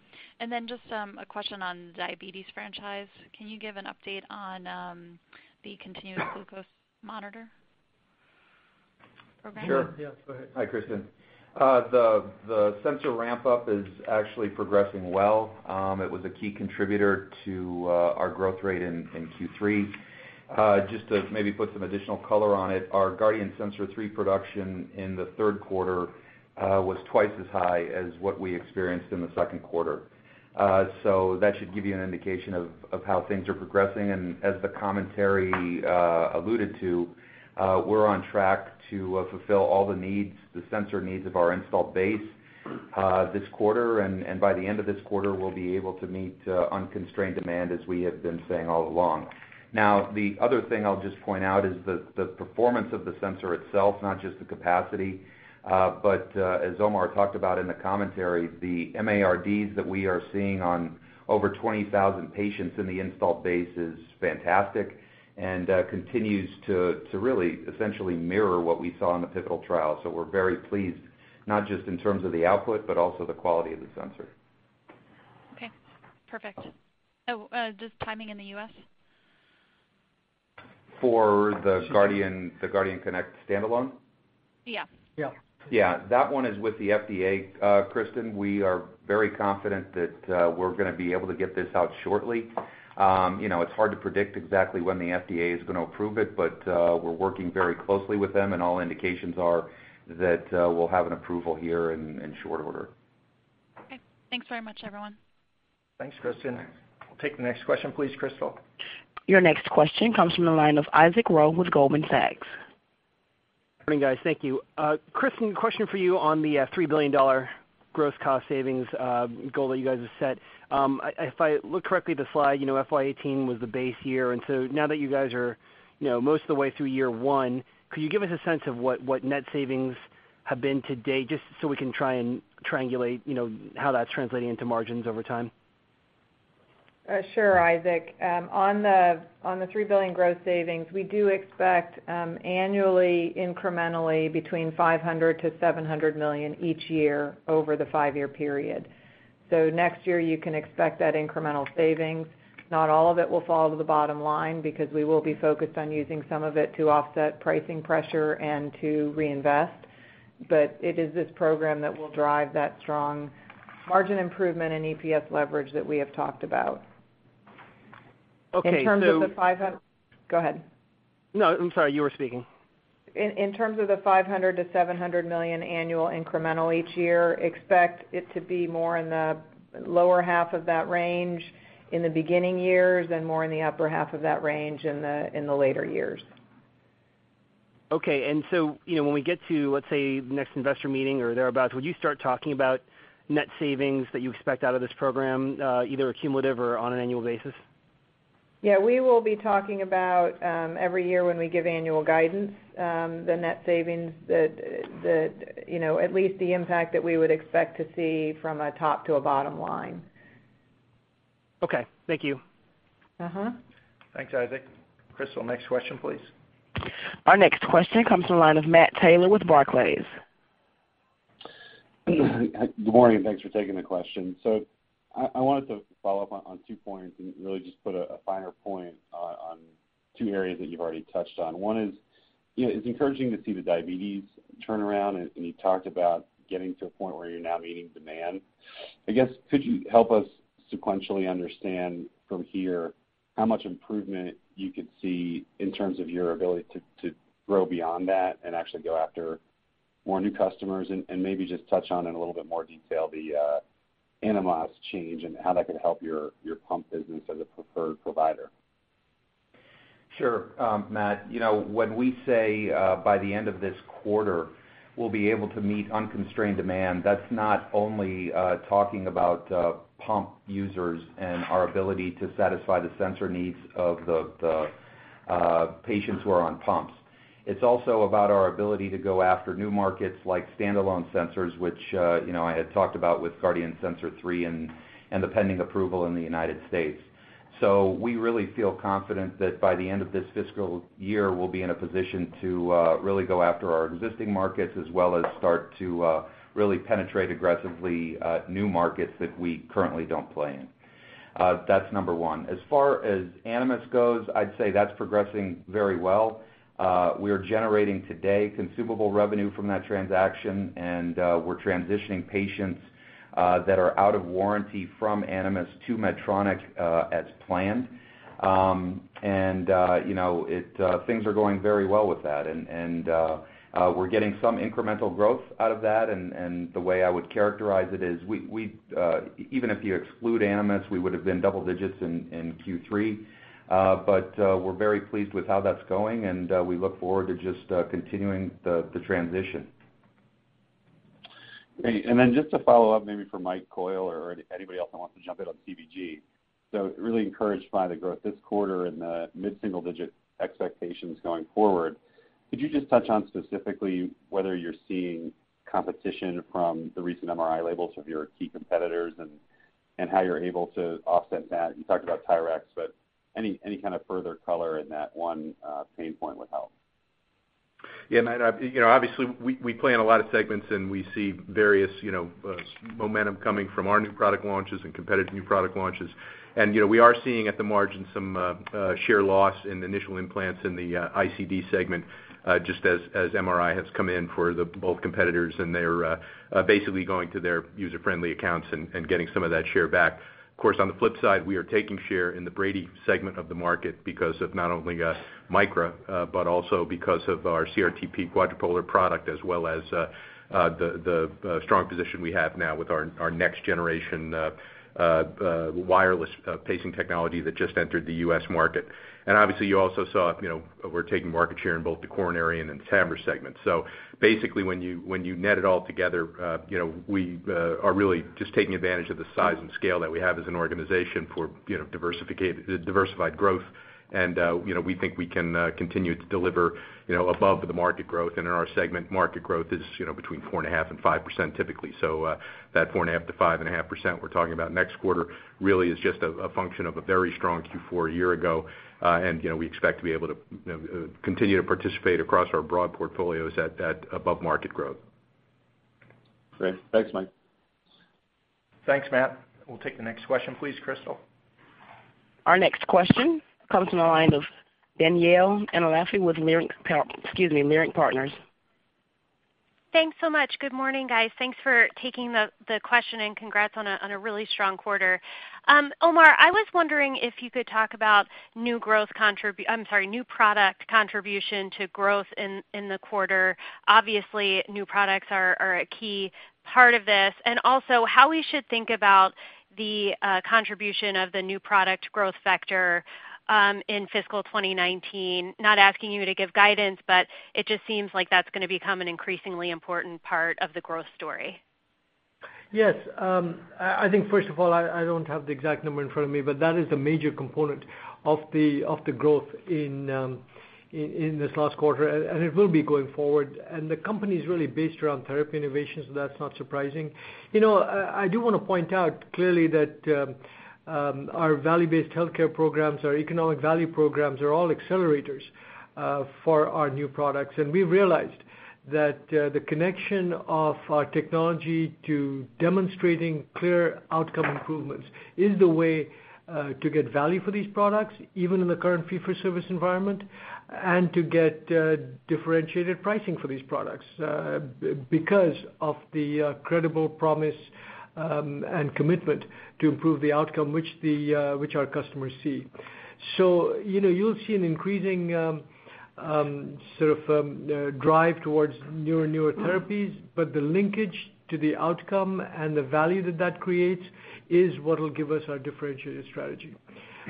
Then just a question on diabetes franchise. Can you give an update on the continuous glucose monitor? Sure. Yes, go ahead. Hi, Kristen. The sensor ramp up is actually progressing well. It was a key contributor to our growth rate in Q3. Just to maybe put some additional color on it, our Guardian Sensor 3 production in the third quarter was twice as high as what we experienced in the second quarter. That should give you an indication of how things are progressing. As the commentary alluded to, we are on track to fulfill all the sensor needs of our installed base this quarter. By the end of this quarter, we will be able to meet unconstrained demand, as we have been saying all along. The other thing I will just point out is the performance of the sensor itself, not just the capacity, but as Omar talked about in the commentary, the MARDs that we are seeing on over 20,000 patients in the installed base is fantastic and continues to really essentially mirror what we saw in the pivotal trial. We are very pleased, not just in terms of the output, but also the quality of the sensor. Okay, perfect. Just timing in the U.S.? For the Guardian Connect standalone? Yeah. Yeah. Yeah. That one is with the FDA, Kristen. We are very confident that we're going to be able to get this out shortly. It's hard to predict exactly when the FDA is going to approve it, but we're working very closely with them, and all indications are that we'll have an approval here in short order. Okay. Thanks very much, everyone. Thanks, Kristen. We'll take the next question, please, Crystal. Your next question comes from the line of Isaac Ro with Goldman Sachs. Morning, guys. Thank you. Kristen, question for you on the $3 billion gross cost savings goal that you guys have set. If I look correctly at the slide, FY 2018 was the base year. Now that you guys are most of the way through year one, could you give us a sense of what net savings have been to date, just so we can try and triangulate how that's translating into margins over time? Sure, Isaac. On the $3 billion growth savings, we do expect annually, incrementally between $500 million-$700 million each year over the five-year period. Next year, you can expect that incremental savings. Not all of it will fall to the bottom line because we will be focused on using some of it to offset pricing pressure and to reinvest. It is this program that will drive that strong margin improvement in EPS leverage that we have talked about. Okay. In terms of the Go ahead. I'm sorry, you were speaking. In terms of the $500 million-$700 million annual incremental each year, expect it to be more in the lower half of that range in the beginning years and more in the upper half of that range in the later years. Okay. When we get to, let's say, next investor meeting or thereabout, would you start talking about net savings that you expect out of this program, either cumulative or on an annual basis? Yeah, we will be talking about every year when we give annual guidance, the net savings that at least the impact that we would expect to see from a top to a bottom line. Okay. Thank you. Thanks, Isaac. Crystal, next question, please. Our next question comes from the line of Matt Taylor with Barclays. Good morning, and thanks for taking the question. I wanted to follow up on two points and really just put a finer point on two areas that you've already touched on. One is, it's encouraging to see the diabetes turnaround, and you talked about getting to a point where you're now meeting demand. I guess, could you help us sequentially understand from here how much improvement you could see in terms of your ability to grow beyond that and actually go after more new customers, and maybe just touch on in a little bit more detail the Animas change and how that could help your pump business as a preferred provider? Sure. Matt, when we say by the end of this quarter, we'll be able to meet unconstrained demand, that's not only talking about pump users and our ability to satisfy the sensor needs of the patients who are on pumps. It's also about our ability to go after new markets like standalone sensors, which I had talked about with Guardian Sensor 3 and the pending approval in the U.S. We really feel confident that by the end of this fiscal year, we'll be in a position to really go after our existing markets as well as start to really penetrate aggressively new markets that we currently don't play in. That's number 1. As far as Animas goes, I'd say that's progressing very well. We are generating today consumable revenue from that transaction, and we're transitioning patients that are out of warranty from Animas to Medtronic as planned. Things are going very well with that, and we're getting some incremental growth out of that, and the way I would characterize it is even if you exclude Animas, we would have been double-digits in Q3. We're very pleased with how that's going, and we look forward to just continuing the transition. Great. Then just to follow up, maybe for Mike Coyle or anybody else that wants to jump in on CVG. Really encouraged by the growth this quarter and the mid-single-digit expectations going forward. Could you just touch on specifically whether you're seeing competition from the recent MRI labels of your key competitors and how you're able to offset that? You talked about TYRX™, but any kind of further color in that 1 pain point would help. Yeah, Matt, obviously, we play in a lot of segments and we see various momentum coming from our new product launches and competitive new product launches. We are seeing at the margin some share loss in initial implants in the ICD segment, just as MRI has come in for both competitors, and they're basically going to their user-friendly accounts and getting some of that share back. Of course, on the flip side, we are taking share in the Brady segment of the market because of not only Micra but also because of our CRT-P quadripolar product, as well as the strong position we have now with our next-generation wireless pacing technology that just entered the U.S. market. Obviously you also saw we're taking market share in both the coronary and in the TAVR segment. Basically, when you net it all together, we are really just taking advantage of the size and scale that we have as an organization for diversified growth. We think we can continue to deliver above the market growth. In our segment, market growth is between 4.5%-5% typically. So that 4.5%-5.5% we're talking about next quarter really is just a function of a very strong Q4 a year ago. We expect to be able to continue to participate across our broad portfolios at above market growth. Great. Thanks, Mike. Thanks, Matt. We'll take the next question please, Crystal. Our next question comes from the line of Danielle Antalffy with Leerink Partners. Thanks so much. Good morning, guys. Thanks for taking the question and congrats on a really strong quarter. Omar, I was wondering if you could talk about new product contribution to growth in the quarter. Obviously, new products are a key part of this. Also how we should think about the contribution of the new product growth factor in fiscal 2019. Not asking you to give guidance, it just seems like that's going to become an increasingly important part of the growth story. Yes. I think first of all, I don't have the exact number in front of me, but that is the major component of the growth in this last quarter, and it will be going forward. The company is really based around therapy innovations, so that's not surprising. I do want to point out clearly that our value-based healthcare programs, our economic value programs, are all accelerators for our new products. We realized that the connection of our technology to demonstrating clear outcome improvements is the way to get value for these products, even in the current fee-for-service environment, and to get differentiated pricing for these products because of the credible promise and commitment to improve the outcome which our customers see. You'll see an increasing sort of drive towards newer and newer therapies, the linkage to the outcome and the value that that creates is what'll give us our differentiated strategy.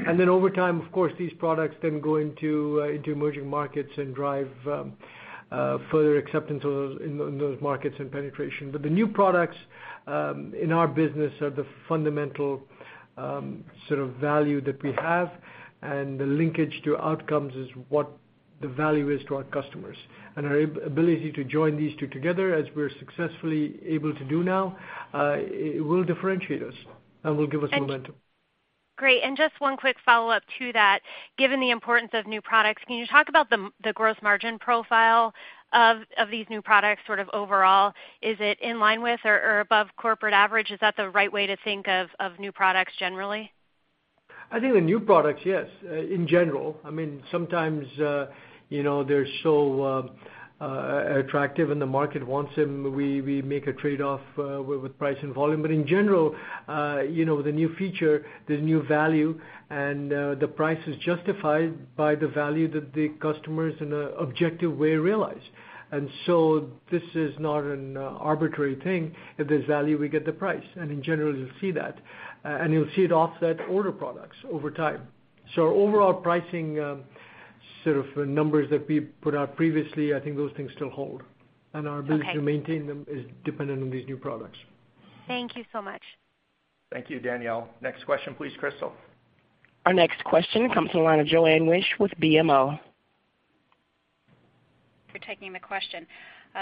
Over time, of course, these products then go into emerging markets and drive further acceptance in those markets and penetration. The new products in our business are the fundamental sort of value that we have, and the linkage to outcomes is what the value is to our customers. Our ability to join these two together as we're successfully able to do now, it will differentiate us and will give us momentum. Great. Just one quick follow-up to that. Given the importance of new products, can you talk about the growth margin profile of these new products sort of overall? Is it in line with or above corporate average? Is that the right way to think of new products generally? I think the new products, yes, in general. Sometimes they're so attractive and the market wants them, we make a trade-off with price and volume. In general, the new feature, the new value, and the price is justified by the value that the customers in an objective way realize. This is not an arbitrary thing. If there's value, we get the price. In general, you'll see that, and you'll see it offset older products over time. Overall pricing sort of numbers that we put out previously, I think those things still hold. Okay. Our ability to maintain them is dependent on these new products. Thank you so much. Thank you, Danielle. Next question please, Crystal. Our next question comes from the line of Joanne Wuensch with BMO. For taking the question,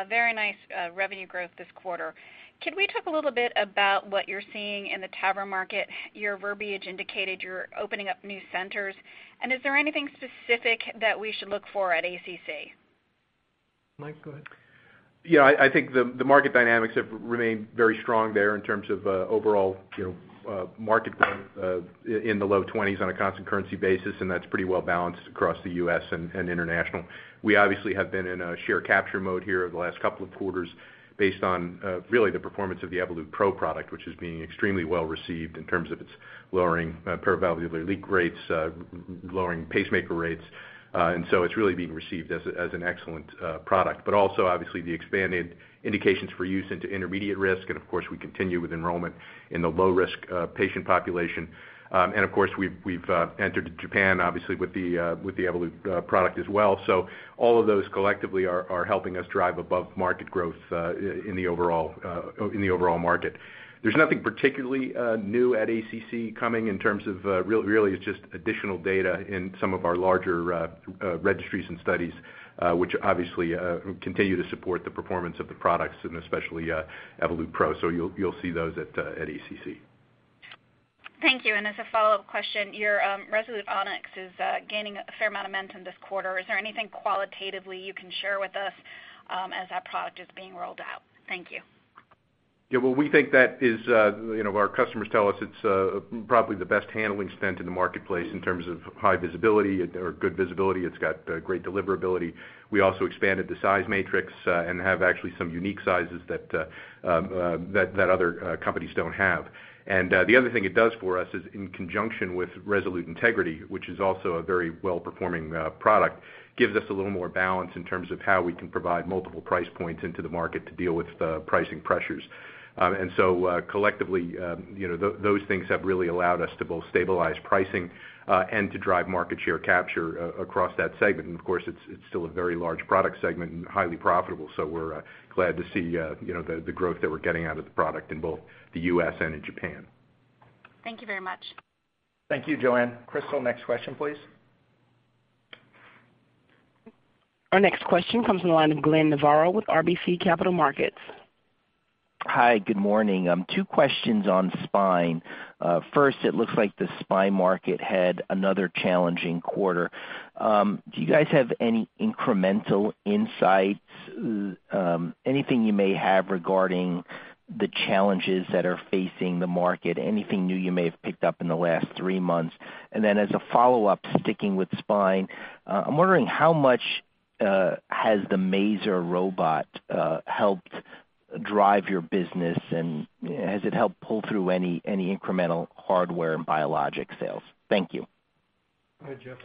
very nice revenue growth this quarter. Could we talk a little bit about what we seeing in the tower market ,you have already indicated that your opening a new centers and is there anything specific that we should look for at ACC? Mike, go ahead. Yeah, I think the market dynamics have remained very strong there in terms of overall market growth in the low 20s on a constant currency basis, and that's pretty well balanced across the U.S. and international. We obviously have been in a share capture mode here over the last couple of quarters based on really the performance of the Evolut PRO product, which is being extremely well received in terms of its lowering perivalvular leak rates, lowering pacemaker rates. It's really being received as an excellent product. Also, obviously, the expanded indications for use into intermediate risk, and of course, we continue with enrollment in the low-risk patient population. Of course, we've entered Japan, obviously, with the Evolut product as well. All of those collectively are helping us drive above-market growth in the overall market. There's nothing particularly new at ACC coming. Really, it's just additional data in some of our larger registries and studies, which obviously continue to support the performance of the products and especially Evolut PRO. You'll see those at ACC. Thank you. As a follow-up question, your Resolute Onyx is gaining a fair amount of momentum this quarter. Is there anything qualitatively you can share with us as that product is being rolled out? Thank you. Well, our customers tell us it's probably the best handling stent in the marketplace in terms of high visibility or good visibility. It's got great deliverability. We also expanded the size matrix and have actually some unique sizes that other companies don't have. The other thing it does for us is in conjunction with Resolute Integrity, which is also a very well-performing product, gives us a little more balance in terms of how we can provide multiple price points into the market to deal with the pricing pressures. Collectively, those things have really allowed us to both stabilize pricing and to drive market share capture across that segment. Of course, it's still a very large product segment and highly profitable. We're glad to see the growth that we're getting out of the product in both the U.S. and in Japan. Thank you very much. Thank you, Joanne. Crystal, next question, please. Our next question comes from the line of Glenn Novarro with RBC Capital Markets. Hi, good morning. Two questions on spine. First, it looks like the spine market had another challenging quarter. Do you guys have any incremental insights, anything you may have regarding the challenges that are facing the market, anything new you may have picked up in the last three months? As a follow-up, sticking with spine, I'm wondering how much has the Mazor robot helped drive your business, and has it helped pull through any incremental hardware and biologic sales? Thank you. Go ahead, Geoff.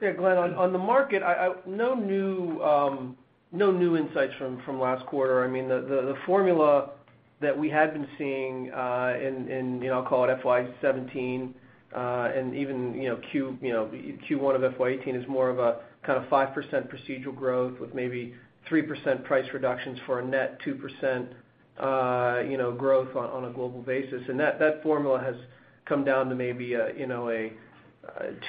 Yeah, Glenn, on the market, no new insights from last quarter. I mean, the formula that we had been seeing in, I'll call it FY 2017, even Q1 of FY 2018, is more of a kind of 5% procedural growth with maybe 3% price reductions for a net 2% growth on a global basis. That formula has come down to maybe a 2%,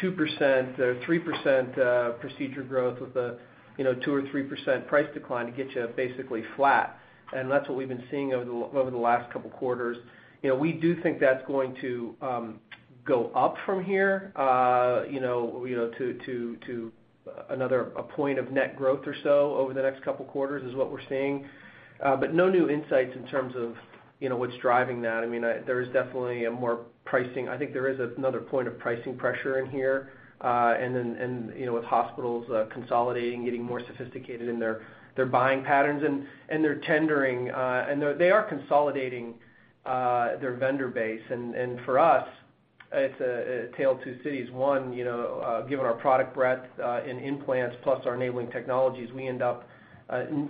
3% procedure growth with a 2% or 3% price decline to get you basically flat. That's what we've been seeing over the last couple of quarters. We do think that's going to go up from here to another point of net growth or so over the next couple of quarters, is what we're seeing. No new insights in terms of what's driving that. I think there is another point of pricing pressure in here, and with hospitals consolidating, getting more sophisticated in their buying patterns and their tendering. They are consolidating their vendor base. For us, it's a tale of two cities. One, given our product breadth in implants plus our enabling technologies, we end up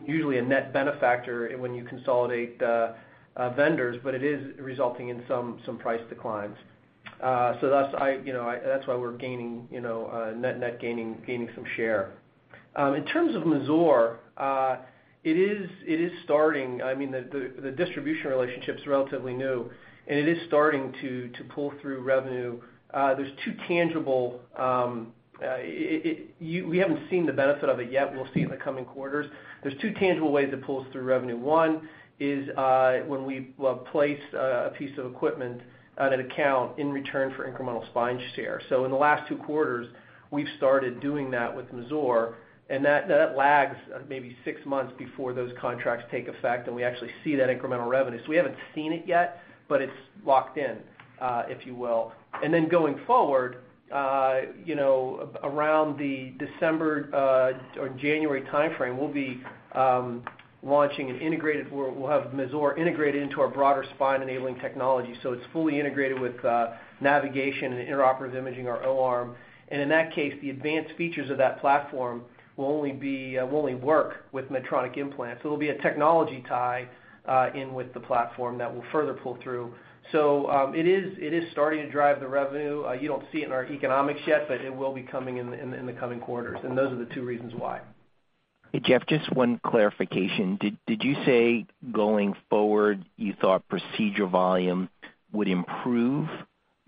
usually a net benefactor when you consolidate vendors, but it is resulting in some price declines. That's why we're net gaining some share. In terms of Mazor, the distribution relationship's relatively new, and it is starting to pull through revenue. We haven't seen the benefit of it yet. We'll see it in the coming quarters. There's two tangible ways it pulls through revenue. One is when we place a piece of equipment at an account in return for incremental spine share. In the last two quarters, we've started doing that with Mazor, and that lags maybe six months before those contracts take effect and we actually see that incremental revenue. We haven't seen it yet, but it's locked in, if you will. Going forward, around the December or January timeframe, we'll have Mazor integrated into our broader spine enabling technology. It's fully integrated with navigation and intraoperative imaging, or O-arm. In that case, the advanced features of that platform will only work with Medtronic implants. It'll be a technology tie in with the platform that will further pull through. It is starting to drive the revenue. You don't see it in our economics yet, but it will be coming in the coming quarters, and those are the two reasons why. Hey, Geoff, just one clarification. Did you say, going forward, you thought procedure volume would improve,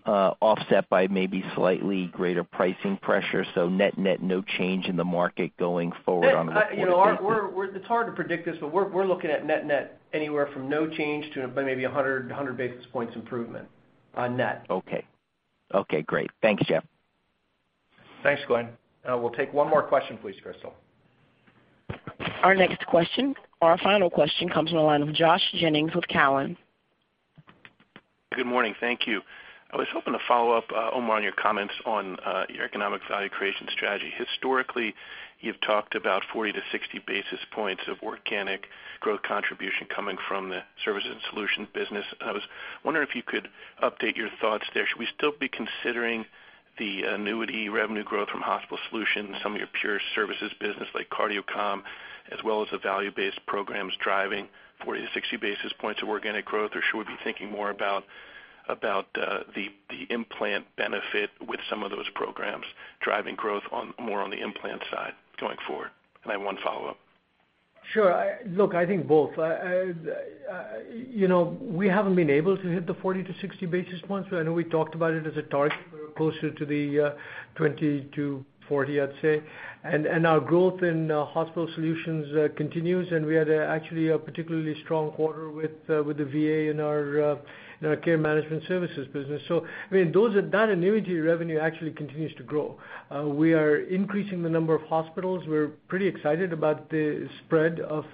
offset by maybe slightly greater pricing pressure? Net no change in the market going forward on the- It's hard to predict this, but we're looking at net anywhere from no change to maybe 100 basis points improvement on net. Okay. Okay, great. Thanks, Geoff. Thanks, Glenn. We'll take one more question, please, Crystal. Our final question comes on the line with Josh Jennings with Cowen. Good morning. Thank you. I was hoping to follow up, Omar, on your comments on your economic value creation strategy. Historically, you've talked about 40 to 60 basis points of organic growth contribution coming from the services and solutions business. I was wondering if you could update your thoughts there. Should we still be considering the annuity revenue growth from Hospital Solutions, some of your pure services business like Cardiocom, as well as the value-based programs driving 40 to 60 basis points of organic growth, or should we be thinking more about the implant benefit with some of those programs driving growth more on the implant side going forward? I have one follow-up Sure. Look, I think both. We haven't been able to hit the 40 to 60 basis points. I know we talked about it as a target, but we're closer to the 20 to 40, I'd say. Our growth in Hospital Solutions continues, and we had actually a particularly strong quarter with the VA in our Care Management Services business. That annuity revenue actually continues to grow. We are increasing the number of hospitals. We're pretty excited about the spread of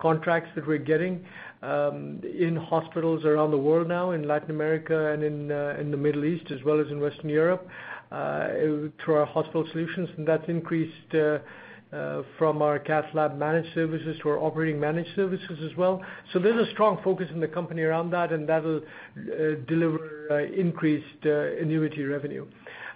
contracts that we're getting in hospitals around the world now, in Latin America and in the Middle East, as well as in Western Europe, through our Hospital Solutions. That's increased from our cath lab managed services to our operating managed services as well. There's a strong focus in the company around that, and that'll deliver increased annuity revenue.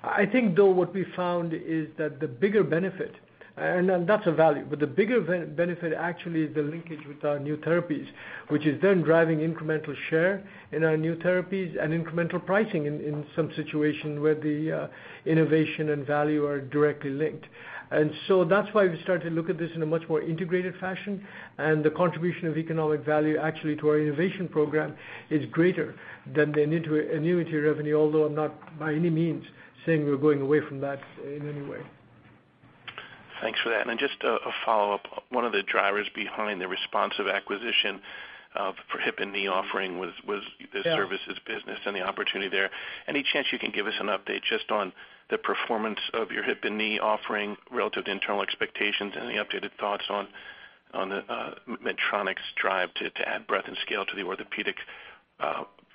I think, though, what we found is that the bigger benefit, and that's a value, but the bigger benefit actually is the linkage with our new therapies, which is then driving incremental share in our new therapies and incremental pricing in some situations where the innovation and value are directly linked. That's why we started to look at this in a much more integrated fashion, and the contribution of economic value actually to our innovation program is greater than the annuity revenue, although I'm not by any means saying we're going away from that in any way. Thanks for that. Just a follow-up. One of the drivers behind the Responsive acquisition for hip and knee offering was the services business and the opportunity there. Any chance you can give us an update just on the performance of your hip and knee offering relative to internal expectations and the updated thoughts on Medtronic's drive to add breadth and scale to the orthopedic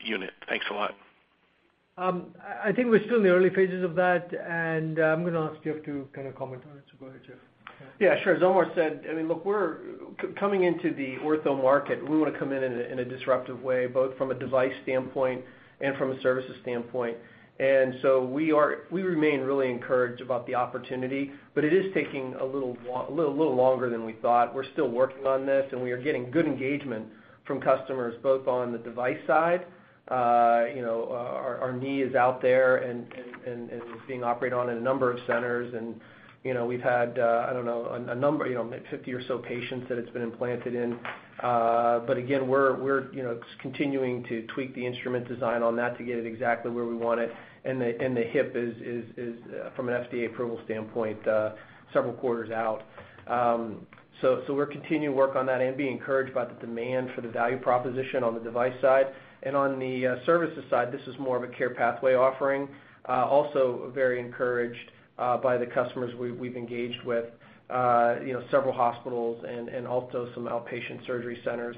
unit? Thanks a lot. I think we're still in the early phases of that, and I'm going to ask Geoff to kind of comment on it. Go ahead, Geoff. Yeah, sure. As Omar said, look, we're coming into the ortho market. We want to come in in a disruptive way, both from a device standpoint and from a services standpoint. We remain really encouraged about the opportunity, it is taking a little longer than we thought. We're still working on this, we are getting good engagement from customers both on the device side. Our knee is out there and is being operated on in a number of centers, and we've had, I don't know, 50 or so patients that it's been implanted in. Again, we're continuing to tweak the instrument design on that to get it exactly where we want it. The hip is, from an FDA approval standpoint, several quarters out. We're continuing to work on that and being encouraged by the demand for the value proposition on the device side. On the services side, this is more of a care pathway offering. Also very encouraged by the customers we've engaged with, several hospitals and also some outpatient surgery centers.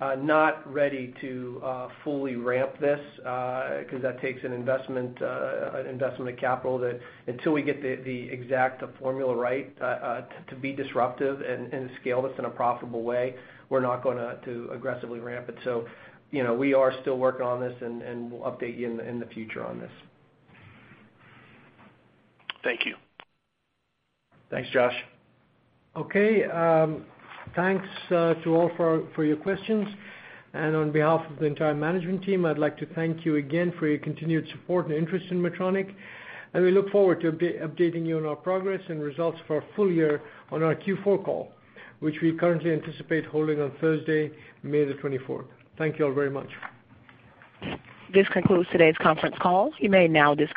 Not ready to fully ramp this because that takes an investment of capital that until we get the exact formula right to be disruptive and scale this in a profitable way, we're not going to aggressively ramp it. We are still working on this, and we'll update you in the future on this. Thank you. Thanks, Josh. Okay. Thanks to all for your questions. On behalf of the entire management team, I'd like to thank you again for your continued support and interest in Medtronic. We look forward to updating you on our progress and results for our full year on our Q4 call, which we currently anticipate holding on Thursday, May the 24th. Thank you all very much. This concludes today's conference call. You may now disconnect.